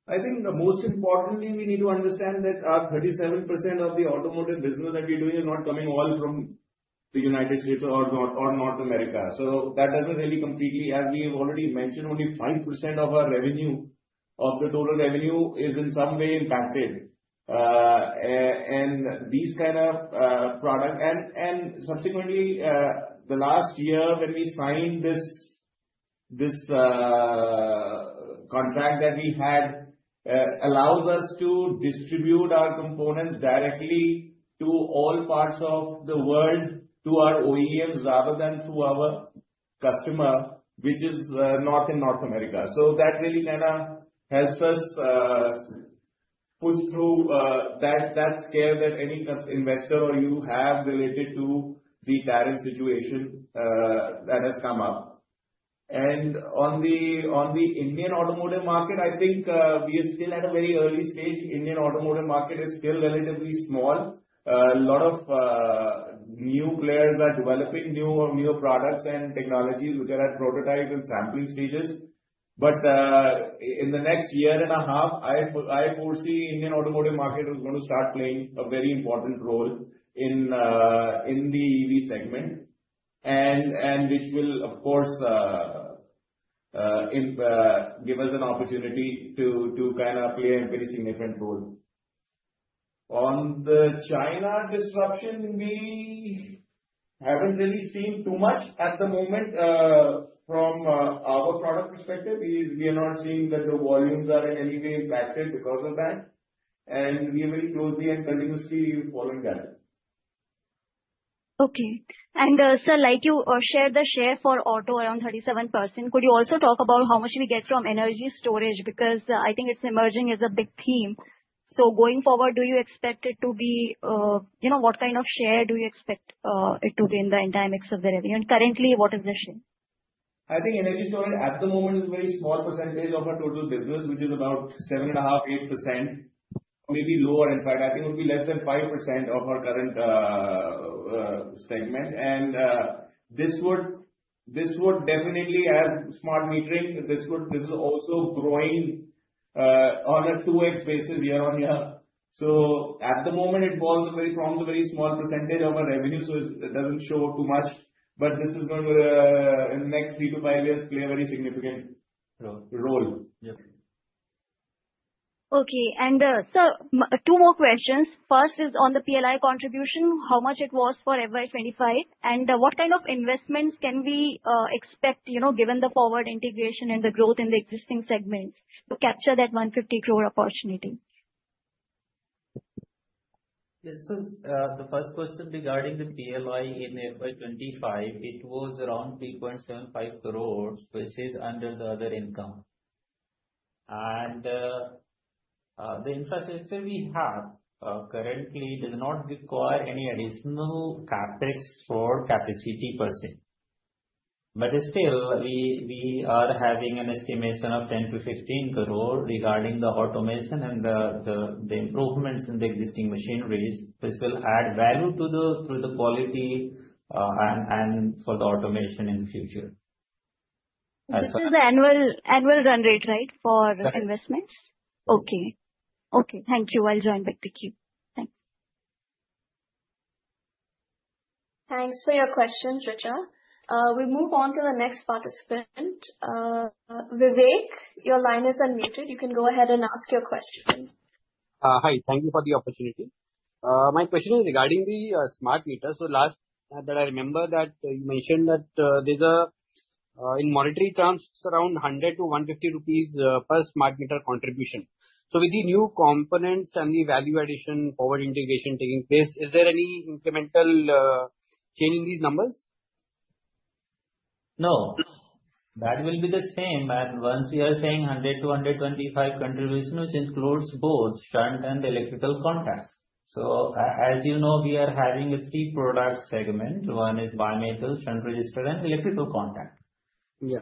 Speaker 5: I think the most important thing we need to understand that our 37% of the automotive business that we're doing is not coming all from the United States or North, or North America. So that doesn't really completely, as we have already mentioned, only 5% of our revenue, of the total revenue is in some way impacted. And subsequently, the last year when we signed this, this contract that we had allows us to distribute our components directly to all parts of the world, to our OEMs, rather than through our customer, which is not in North America. So that really kind of helps us push through that scare that any customer or investor or you have related to the current situation that has come up. On the Indian automotive market, I think, we are still at a very early stage. Indian automotive market is still relatively small. A lot of new players are developing new products and technologies which are at prototype and sampling stages. But in the next year and a half, I foresee Indian automotive market is going to start playing a very important role in the EV segment, and which will, of course, give us an opportunity to kind of play a very significant role. On the China disruption, we haven't really seen too much at the moment from our product perspective. We are not seeing that the volumes are in any way impacted because of that, and we are very closely and continuously following that.
Speaker 4: Okay. And, sir, like you shared the share for auto around 37%, could you also talk about how much you get from energy storage? Because I think it's emerging as a big theme. So going forward, do you expect it to be, you know, what kind of share do you expect it to be in the end dynamics of the revenue? And currently, what is the share?
Speaker 5: I think energy storage at the moment is a very small percentage of our total business, which is about 7.5-8%, maybe lower. In fact, I think it will be less than 5% of our current segment. This would, this would definitely as smart metering, this would—this is also growing on a 2x basis year-on-year. So at the moment, it forms a very small percentage of our revenue, so it doesn't show too much. But this is going to in the next 3-5 years play a very significant role. Yep.
Speaker 4: Okay. And, sir, two more questions. First is on the PLI contribution, how much it was for FY 2025? And, what kind of investments can we expect, you know, given the forward integration and the growth in the existing segments to capture that 150 crore opportunity?
Speaker 2: Yes, so, the first question regarding the PLI in FY 2025, it was around 3.75 crore, which is under the other income. The infrastructure we have currently does not require any additional CapEx for capacity per se. But still, we are having an estimation of 10-15 crore regarding the automation and the improvements in the existing machineries. This will add value to the, through the quality, and for the automation in the future....
Speaker 4: This is the annual, annual run rate, right, for investments?
Speaker 2: Correct.
Speaker 4: Okay. Okay, thank you. I'll join back to queue. Thanks.
Speaker 1: Thanks for your questions, Richa. We move on to the next participant. Vivek, your line is unmuted. You can go ahead and ask your question.
Speaker 4: Hi. Thank you for the opportunity. My question is regarding the smart meters. So last that I remember that you mentioned that these are in monetary terms, it's around 100-150 rupees per smart meter contribution. So with the new components and the value addition forward integration taking place, is there any incremental change in these numbers?
Speaker 2: No. That will be the same. And once we are saying 100-125 contribution, which includes both shunt and electrical contacts. So, as you know, we are having a three product segment. One is bimetals, shunt resistor and electrical contact.
Speaker 4: Yes.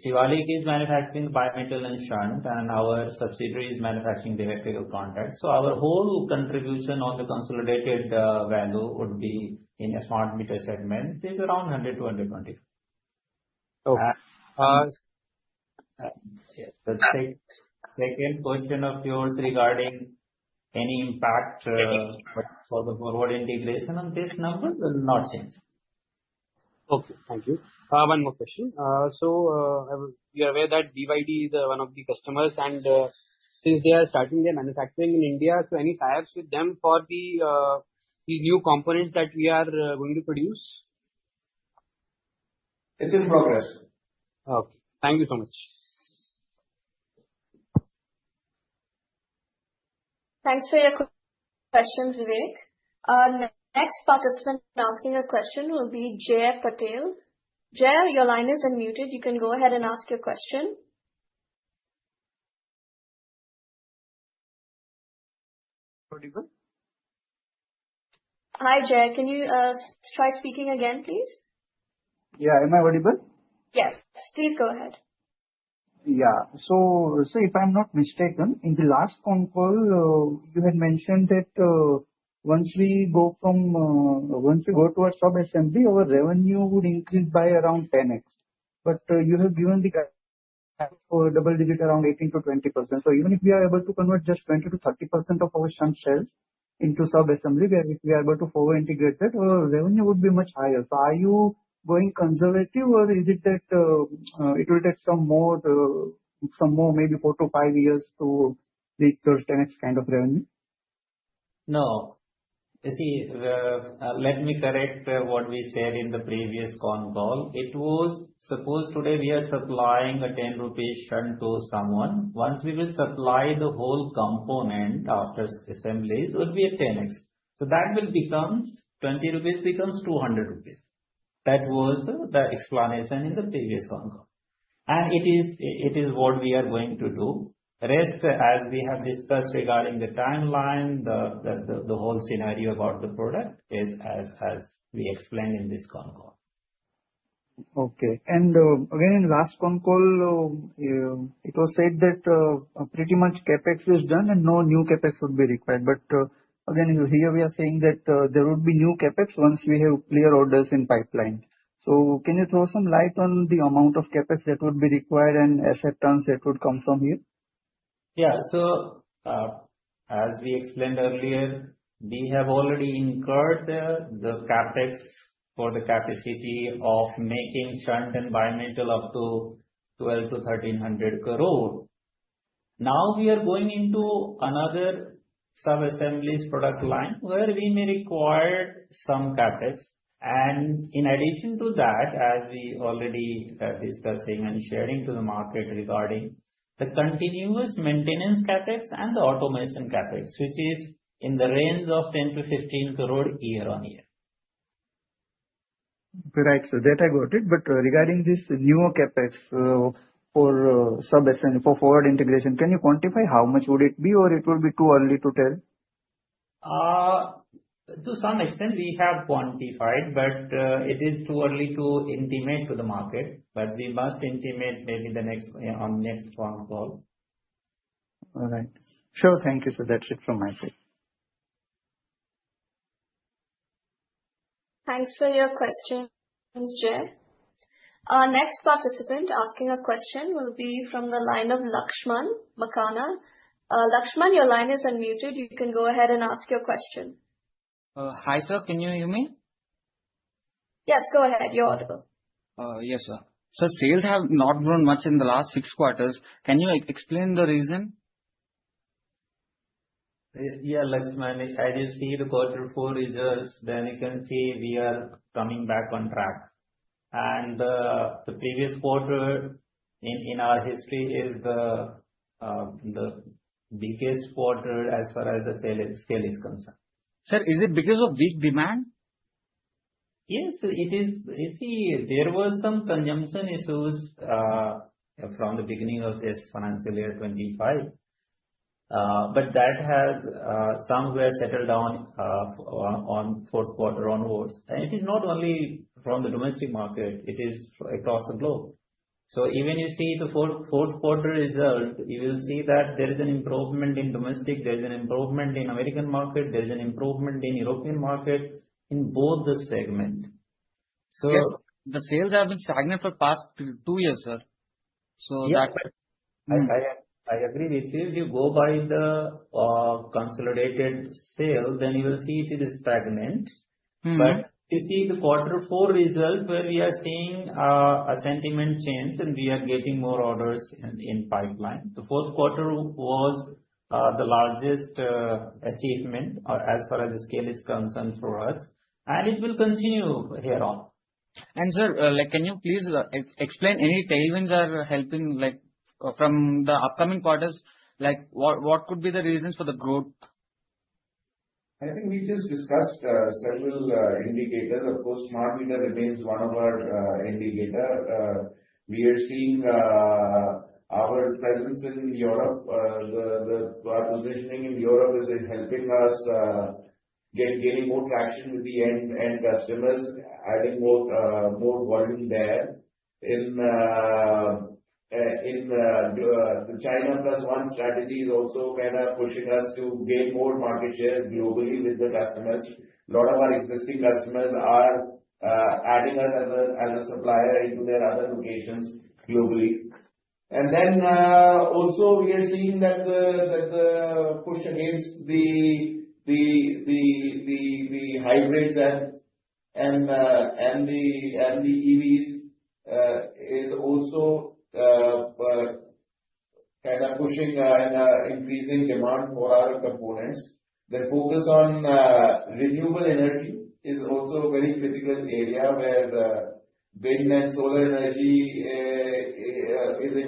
Speaker 2: Shivalik is manufacturing bimetal and shunt, and our subsidiary is manufacturing the electrical contact. So our whole contribution on the consolidated value would be in a smart meter segment is around 100-120.
Speaker 4: Okay. Uh-
Speaker 2: Yes, the second question of yours regarding any impact for the forward integration on this number will not change.
Speaker 4: Okay. Thank you. One more question. You are aware that BYD is one of the customers, and since they are starting their manufacturing in India, so any tie-ups with them for the new components that we are going to produce?
Speaker 2: It's in progress.
Speaker 4: Okay. Thank you so much.
Speaker 1: Thanks for your questions, Vivek. Our next participant asking a question will be Jay Patel. Jay, your line is unmuted. You can go ahead and ask your question.
Speaker 4: Audible?
Speaker 1: Hi, Jay. Can you try speaking again, please?
Speaker 4: Yeah. Am I audible?
Speaker 1: Yes. Please go ahead.
Speaker 4: Yeah. So, so if I'm not mistaken, in the last con call, you had mentioned that, once we go from, once we go to our sub-assembly, our revenue would increase by around 10x. But, you have given the guide for double digit, around 18%-20%. So even if we are able to convert just 20%-30% of our shunt sales into sub-assembly, where we are able to forward integrate that, our revenue would be much higher. So are you going conservative or is it that, it will take some more, some more maybe 4-5 years to reach those 10x kind of revenue?
Speaker 2: No. You see, let me correct what we said in the previous con call. It was, suppose today we are supplying an 10 rupee shunt to someone, once we will supply the whole component after assemblies, would be a 10x. So that will becomes, 20 rupees becomes 200 rupees. That was the explanation in the previous con call, and it is what we are going to do. The rest, as we have discussed regarding the timeline, the whole scenario about the product is as we explained in this con call.
Speaker 4: Okay. And, again, in last con call, it was said that, pretty much CapEx is done and no new CapEx would be required. But, again, here we are saying that, there would be new CapEx once we have clear orders in pipeline. So can you throw some light on the amount of CapEx that would be required and asset turns that would come from here?
Speaker 2: Yeah. So, as we explained earlier, we have already incurred the CapEx for the capacity of making shunt and bimetal up to 1,200-1,300 crore. Now we are going into another sub-assemblies product line where we may require some CapEx. And in addition to that, as we already are discussing and sharing to the market regarding the continuous maintenance CapEx and the automation CapEx, which is in the range of 10-15 crore year on year.
Speaker 4: Right. So that I got it. But, regarding this newer CapEx, for sub-assembly for forward integration, can you quantify how much would it be, or it would be too early to tell?
Speaker 2: To some extent we have quantified, but it is too early to intimate to the market. But we must intimate maybe the next, on next con call.
Speaker 4: All right. Sure. Thank you, sir. That's it from my side.
Speaker 1: Thanks for your questions, Jay. Our next participant asking a question will be from the line of Lakshman Makana. Lakshman, your line is unmuted. You can go ahead and ask your question.
Speaker 4: Hi, sir. Can you hear me?
Speaker 1: Yes, go ahead. You're audible.
Speaker 4: Yes, sir. So sales have not grown much in the last six quarters. Can you, like, explain the reason?
Speaker 2: Yeah, Lakshman, as you see the quarter four results, then you can see we are coming back on track. And, the previous quarter in our history is the biggest quarter as far as the sale is concerned.
Speaker 4: Sir, is it because of weak demand?
Speaker 2: Yes, it is. You see, there were some consumption issues from the beginning of this financial year, 25. But that has somewhere settled down on fourth quarter onwards. And it is not only from the domestic market, it is across the globe. So even you see the fourth quarter result, you will see that there is an improvement in domestic, there is an improvement in American market, there is an improvement in European market, in both the segment....
Speaker 4: So yes, the sales have been stagnant for past two years, sir. So that-
Speaker 5: Yes, I agree with you. If you go by the consolidated sale, then you will see it is stagnant.
Speaker 4: Mm-hmm.
Speaker 5: But you see the quarter four result, where we are seeing a sentiment change, and we are getting more orders in pipeline. The fourth quarter was the largest achievement as far as the scale is concerned for us, and it will continue hereon.
Speaker 4: Sir, like, can you please explain any tailwinds are helping, like, from the upcoming quarters, like, what could be the reasons for the growth?
Speaker 5: I think we just discussed several indicators. Of course, smart meter remains one of our indicator. We are seeing our presence in Europe, our positioning in Europe is helping us gaining more traction with the end customers, adding more volume there. In the China Plus One strategy is also kind of pushing us to gain more market share globally with the customers. A lot of our existing customers are adding us as a supplier into their other locations globally. And then also we are seeing that the push against the hybrids and the EVs is also kind of pushing and increasing demand for our components. The focus on renewable energy is also a very critical area, where the wind and solar energy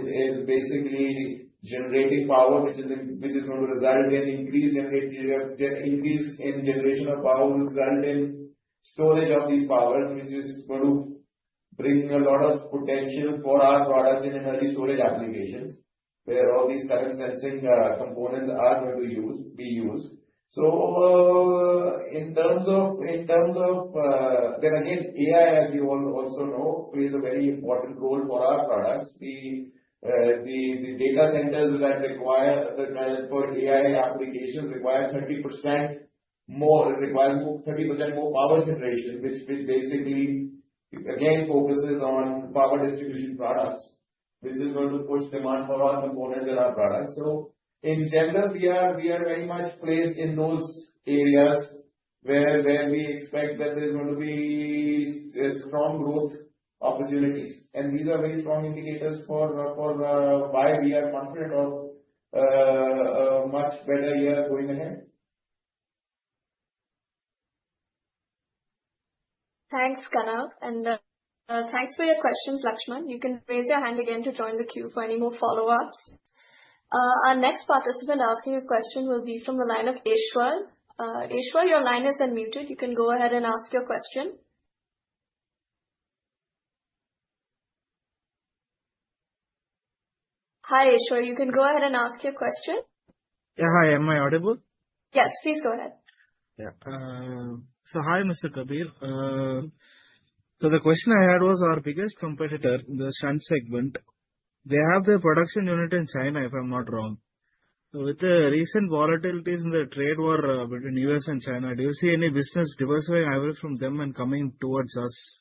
Speaker 5: is basically generating power, which is going to result in increased generation, increase in generation of power will result in storage of this power, which is going to bring a lot of potential for our products in energy storage applications, where all these current sensing components are going to be used. So, in terms of... Then again, AI, as you also know, plays a very important role for our products. The data centers that require, that for AI applications require 30% more, require more, 30% more power generation, which basically, again, focuses on power distribution products. This is going to push demand for our components and our products. In general, we are very much placed in those areas where we expect that there's going to be strong growth opportunities. These are very strong indicators for why we are confident of a much better year going ahead.
Speaker 1: Thanks, Kanav, and thanks for your questions, Lakshman. You can raise your hand again to join the queue for any more follow-ups. Our next participant asking a question will be from the line of Eshwar. Eshwar, your line is unmuted. You can go ahead and ask your question. Hi, Eshwar, you can go ahead and ask your question.
Speaker 4: Yeah. Hi, am I audible?
Speaker 1: Yes, please go ahead.
Speaker 4: Yeah. So hi, Mr. Kabir. So the question I had was our biggest competitor in the shunt segment, they have their production unit in China, if I'm not wrong. So with the recent volatilities in the trade war, between U.S. and China, do you see any business diversifying away from them and coming towards us?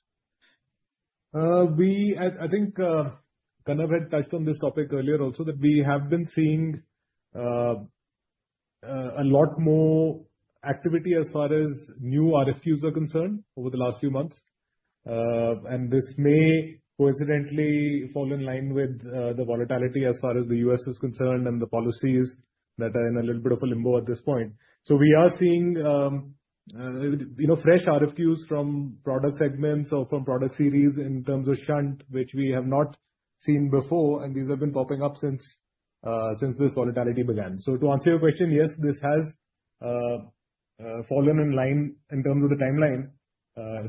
Speaker 3: I think Kanav had touched on this topic earlier also, that we have been seeing a lot more activity as far as new RFQs are concerned over the last few months. This may coincidentally fall in line with the volatility as far as the U.S. is concerned and the policies that are in a little bit of a limbo at this point. So we are seeing, you know, fresh RFQs from product segments or from product series in terms of shunt, which we have not seen before, and these have been popping up since this volatility began. So to answer your question, yes, this has fallen in line in terms of the timeline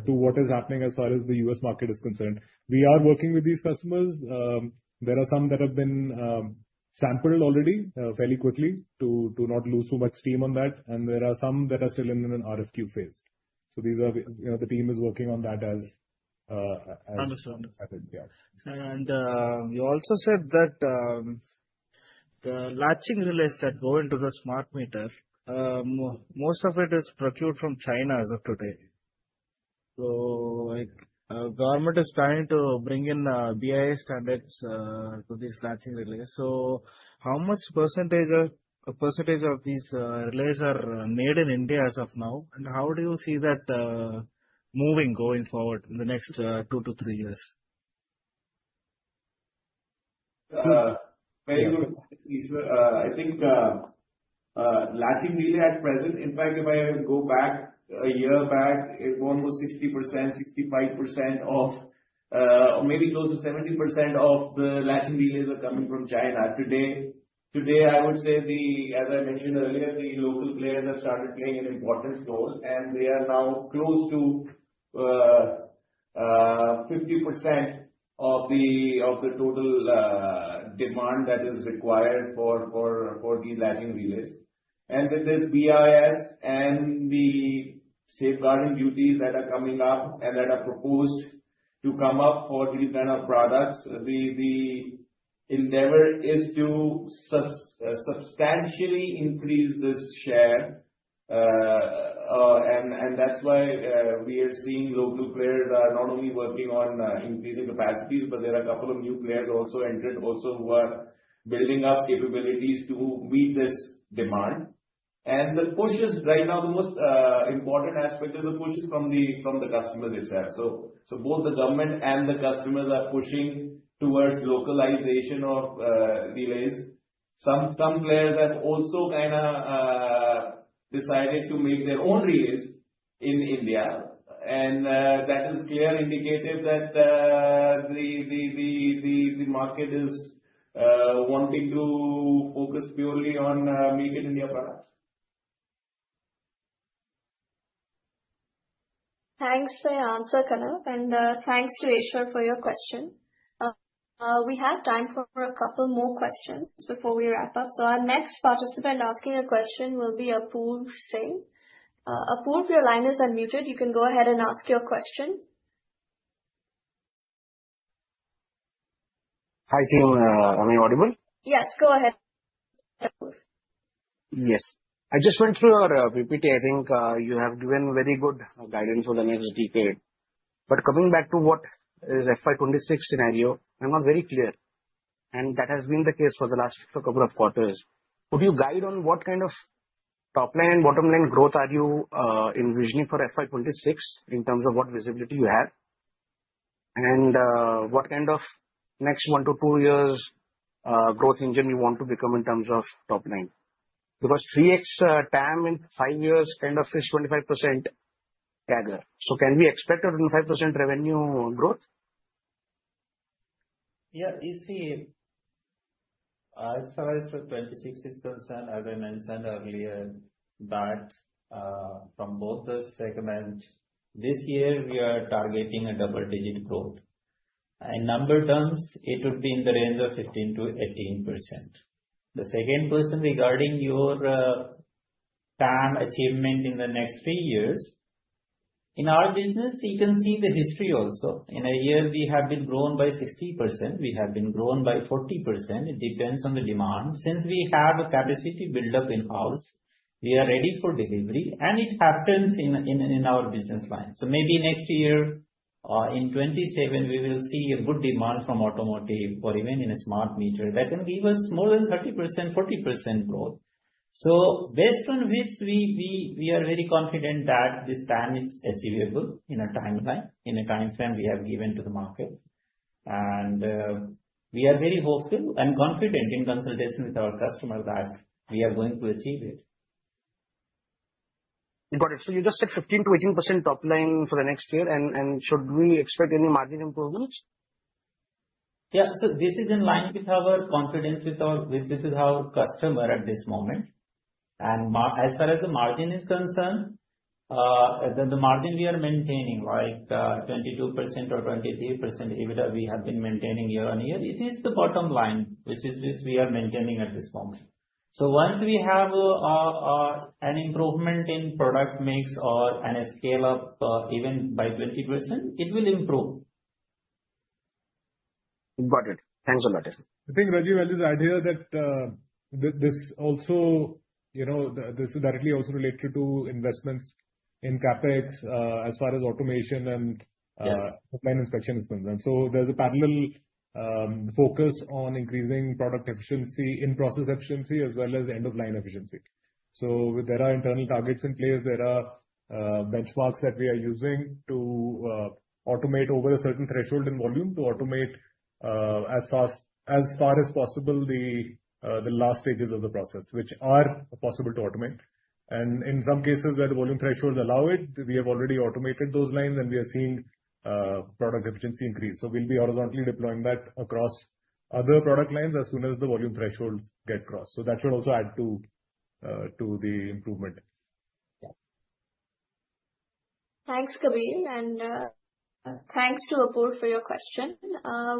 Speaker 3: to what is happening as far as the U.S. market is concerned. We are working with these customers. There are some that have been sampled already, fairly quickly, to not lose too much steam on that, and there are some that are still in an RFQ phase. So these are the, you know, the team is working on that as.
Speaker 4: Understood.
Speaker 3: Yeah.
Speaker 4: You also said that the latching relays that go into the smart meter, most of it is procured from China as of today. So, like, government is trying to bring in BIS standards to these latching relays. So how much percentage of, percentage of these relays are made in India as of now? And how do you see that moving going forward in the next 2-3 years?
Speaker 5: Very good question, Eshwar. I think, latching relay at present, in fact, if I go back, a year back, it was almost 60%, 65% of, or maybe close to 70% of the latching relays are coming from China today. Today, I would say the, as I mentioned earlier, the local players have started playing an important role, and they are now close to, 50% of the, of the total, demand that is required for these latching relays. And with this BIS and the safeguarding duties that are coming up and that are proposed to come up for these kind of products, the endeavor is to substantially increase this share.... and that's why we are seeing local players are not only working on increasing capacities, but there are a couple of new players also entered also, who are building up capabilities to meet this demand. And the push is, right now, the most important aspect of the push is from the customers itself. So both the government and the customers are pushing towards localization of relays. Some players have also kind of decided to make their own relays in India, and that is clear indicative that the market is wanting to focus purely on Make in India products.
Speaker 1: Thanks for your answer, Kanav, and thanks to Eshwar for your question. We have time for a couple more questions before we wrap up. So our next participant asking a question will be Apurv Singh. Apurv, your line is unmuted. You can go ahead and ask your question.
Speaker 4: Hi, team. Am I audible?
Speaker 1: Yes, go ahead, Apurv.
Speaker 4: Yes. I just went through your PPT. I think you have given very good guidance for the next decade. But coming back to what is FY 26 scenario, I'm not very clear, and that has been the case for the last couple of quarters. Could you guide on what kind of top line and bottom line growth are you envisioning for FY 26 in terms of what visibility you have? And what kind of next 1-2 years growth engine you want to become in terms of top line? Because 3x TAM in 5 years kind of is 25% CAGR. So can we expect a 25% revenue growth?
Speaker 2: Yeah, you see, as far as for 2026 is concerned, as I mentioned earlier, that, from both the segment, this year, we are targeting a double-digit growth. In number terms, it would be in the range of 15%-18%. The second question regarding your, TAM achievement in the next three years, in our business, you can see the history also. In a year, we have been grown by 60%, we have been grown by 40%. It depends on the demand. Since we have a capacity build-up in-house, we are ready for delivery, and it happens in our business line. So maybe next year, in 2027, we will see a good demand from automotive or even in a smart meter. That can give us more than 30%, 40% growth. So based on which we are very confident that this time is achievable in a timeline, in a timeframe we have given to the market. We are very hopeful and confident in consultation with our customer that we are going to achieve it.
Speaker 4: Got it. So you just said 15%-18% top line for the next year, and should we expect any margin improvements?
Speaker 2: Yeah. So this is in line with our confidence with our customer at this moment. As far as the margin is concerned, the margin we are maintaining, like, 22% or 23% EBITDA, we have been maintaining year on year. It is the bottom line, which we are maintaining at this moment. So once we have an improvement in product mix or a scale-up, even by 20%, it will improve.
Speaker 4: Important. Thanks a lot.
Speaker 3: I think, Rajeev, well, this idea that this also, you know, this is directly also related to investments in CapEx, as far as automation and,
Speaker 2: Yes.
Speaker 3: Line inspection is concerned. So there's a parallel focus on increasing product efficiency, in process efficiency, as well as end of line efficiency. So there are internal targets in place. There are benchmarks that we are using to automate over a certain threshold and volume, to automate as fast, as far as possible, the last stages of the process, which are possible to automate. And in some cases, where the volume thresholds allow it, we have already automated those lines, and we are seeing product efficiency increase. So we'll be horizontally deploying that across other product lines as soon as the volume thresholds get crossed. So that should also add to the improvement.
Speaker 1: Thanks, Kabir, and thanks to Apurv for your question.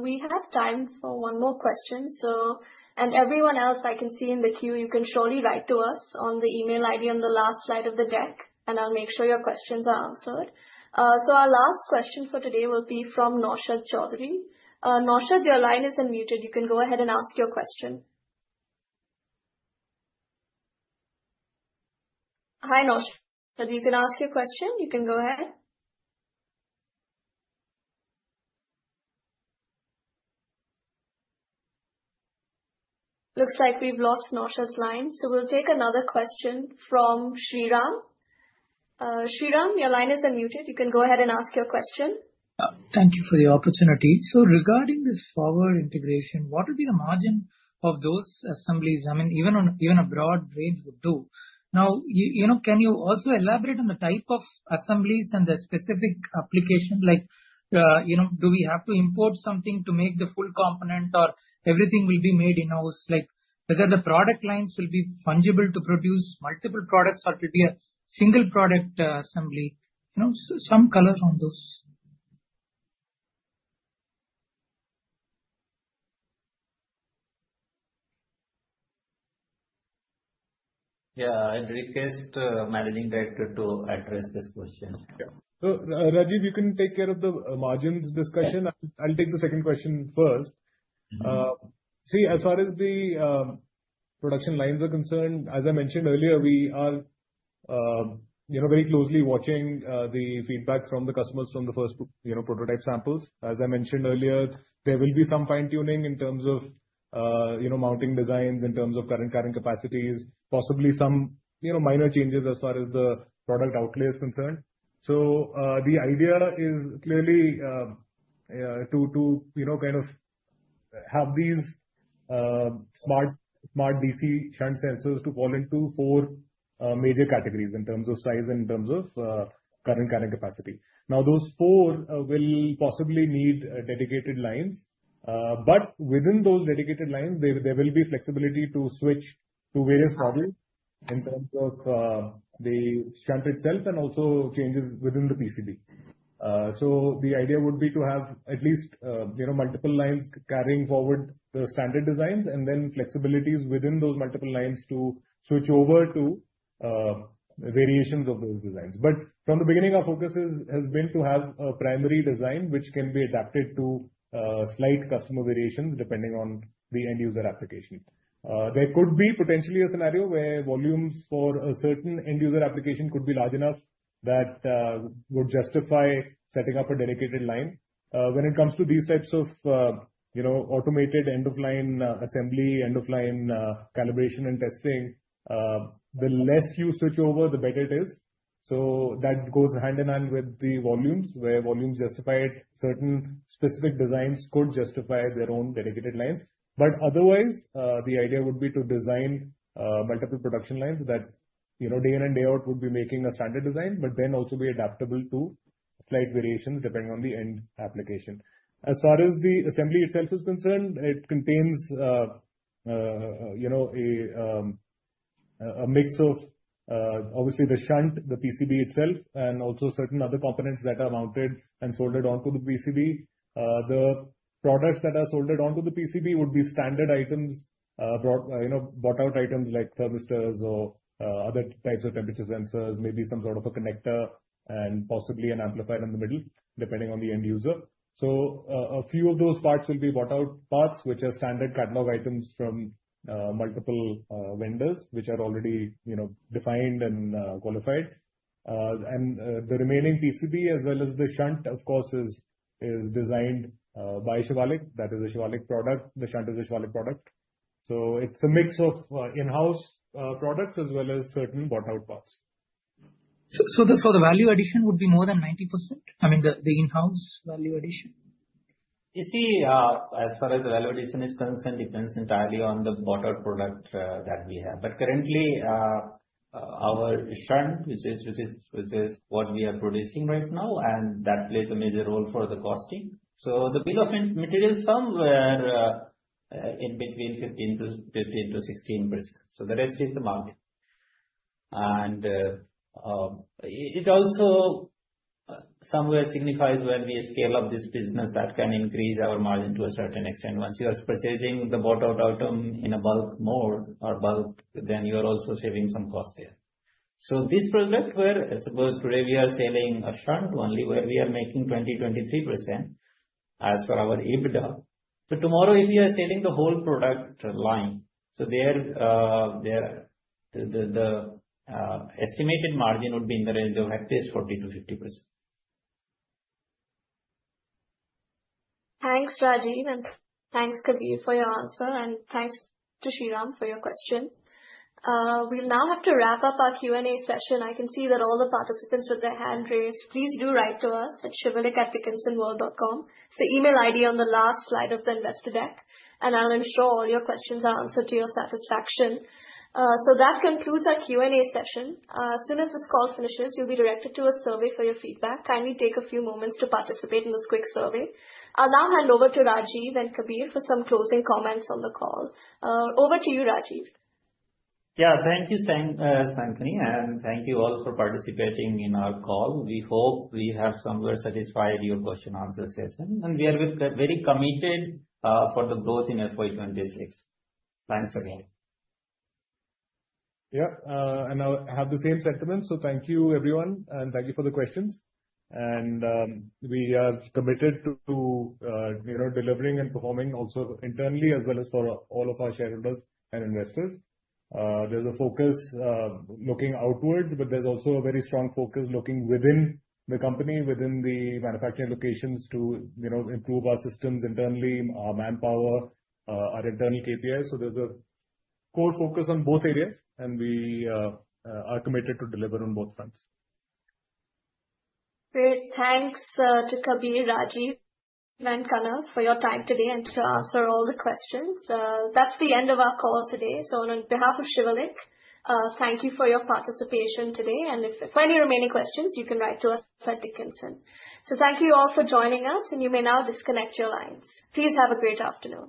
Speaker 1: We have time for one more question, so... And everyone else I can see in the queue, you can surely write to us on the email ID on the last slide of the deck, and I'll make sure your questions are answered. So our last question for today will be from Naushad Choudhary. Naushad, your line is unmuted. You can go ahead and ask your question. Hi, Naushad. You can ask your question. You can go ahead. Looks like we've lost Naushad's line, so we'll take another question from Shriram. Shriram, your line is unmuted. You can go ahead and ask your question.
Speaker 4: Thank you for the opportunity. So regarding this forward integration, what would be the margin of those assemblies? I mean, even on, even a broad range would do. Now, you know, can you also elaborate on the type of assemblies and the specific application, like, you know, do we have to import something to make the full component, or everything will be made in-house? Like, whether the product lines will be fungible to produce multiple products or it'll be a single product, assembly? You know, some color on those.
Speaker 2: Yeah. I'll request Managing Director to address this question.
Speaker 3: Yeah. So, Rajeev, you can take care of the margins discussion.
Speaker 2: Yes.
Speaker 3: I'll take the second question first. See, as far as the production lines are concerned, as I mentioned earlier, we are you know very closely watching the feedback from the customers from the first prototype samples. As I mentioned earlier, there will be some fine-tuning in terms of you know mounting designs, in terms of current carrying capacities, possibly some you know minor changes as far as the product outlay is concerned. So the idea is clearly to you know kind of have these smart DC shunt sensors to fall into four major categories in terms of size, in terms of current carrying capacity. Now, those four will possibly need dedicated lines. But within those dedicated lines, there will be flexibility to switch to various models in terms of the shunt itself and also changes within the PCB. So the idea would be to have at least, you know, multiple lines carrying forward the standard designs, and then flexibilities within those multiple lines to switch over to variations of those designs. But from the beginning, our focus is, has been to have a primary design which can be adapted to slight customer variations, depending on the end user application. There could be potentially a scenario where volumes for a certain end user application could be large enough that would justify setting up a dedicated line. When it comes to these types of, you know, automated end-of-line assembly, end-of-line calibration and testing, the less you switch over, the better it is. So that goes hand-in-hand with the volumes, where volumes justify it, certain specific designs could justify their own dedicated lines. But otherwise, the idea would be to design multiple production lines that, you know, day in and day out, would be making a standard design, but then also be adaptable to slight variations, depending on the end application. As far as the assembly itself is concerned, it contains, you know, a mix of, obviously the shunt, the PCB itself, and also certain other components that are mounted and soldered onto the PCB. The products that are soldered onto the PCB would be standard items, bought, you know, bought-out items like thermistors or other types of temperature sensors, maybe some sort of a connector and possibly an amplifier in the middle, depending on the end user. So, a few of those parts will be bought-out parts, which are standard catalog items from multiple vendors, which are already, you know, defined and qualified. The remaining PCB, as well as the shunt, of course, is designed by Shivalik. That is a Shivalik product. The shunt is a Shivalik product. So it's a mix of in-house products as well as certain bought-out parts.
Speaker 4: So, this for the value addition would be more than 90%? I mean, the in-house value addition.
Speaker 2: You see, as far as the value addition is concerned, it depends entirely on the bought-out product that we have. But currently, our shunt, which is what we are producing right now, and that plays a major role for the costing. So the bill of material, somewhere in between 15%-16%, so the rest is the margin. And, it also somewhere signifies when we scale up this business, that can increase our margin to a certain extent. Once you are purchasing the bought-out item in a bulk more or bulk, then you are also saving some cost there. So this product where, suppose today we are selling a shunt only, where we are making 23% as for our EBITDA. So tomorrow, if we are selling the whole product line, so there, the estimated margin would be in the range of at least 40%-50%.
Speaker 1: Thanks, Rajeev, and thanks, Kabir, for your answer, and thanks to Shriram for your question. We now have to wrap up our Q&A session. I can see that all the participants with their hand raised. Please do write to us at shivalik@dickensonworld.com. It's the email ID on the last slide of the investor deck, and I'll ensure all your questions are answered to your satisfaction. So that concludes our Q&A session. As soon as this call finishes, you'll be directed to a survey for your feedback. Kindly take a few moments to participate in this quick survey. I'll now hand over to Rajeev and Kabir for some closing comments on the call. Over to you, Rajeev.
Speaker 2: Yeah, thank you, Shankhini, and thank you all for participating in our call. We hope we have somewhere satisfied your question and answer session, and we are with, very committed, for the growth in FY 26. Thanks again.
Speaker 3: Yeah, and I have the same sentiment, so thank you, everyone, and thank you for the questions. We are committed to you know, delivering and performing also internally, as well as for all of our shareholders and investors. There's a focus looking outwards, but there's also a very strong focus looking within the company, within the manufacturing locations to you know, improve our systems internally, our manpower, our internal KPIs. So there's a core focus on both areas, and we are committed to deliver on both fronts.
Speaker 1: Great! Thanks to Kabir, Rajeev, and Kanav for your time today and to answer all the questions. That's the end of our call today. So on behalf of Shivalik, thank you for your participation today, and if, for any remaining questions, you can write to us at Dickenson. So thank you all for joining us, and you may now disconnect your lines. Please have a great afternoon.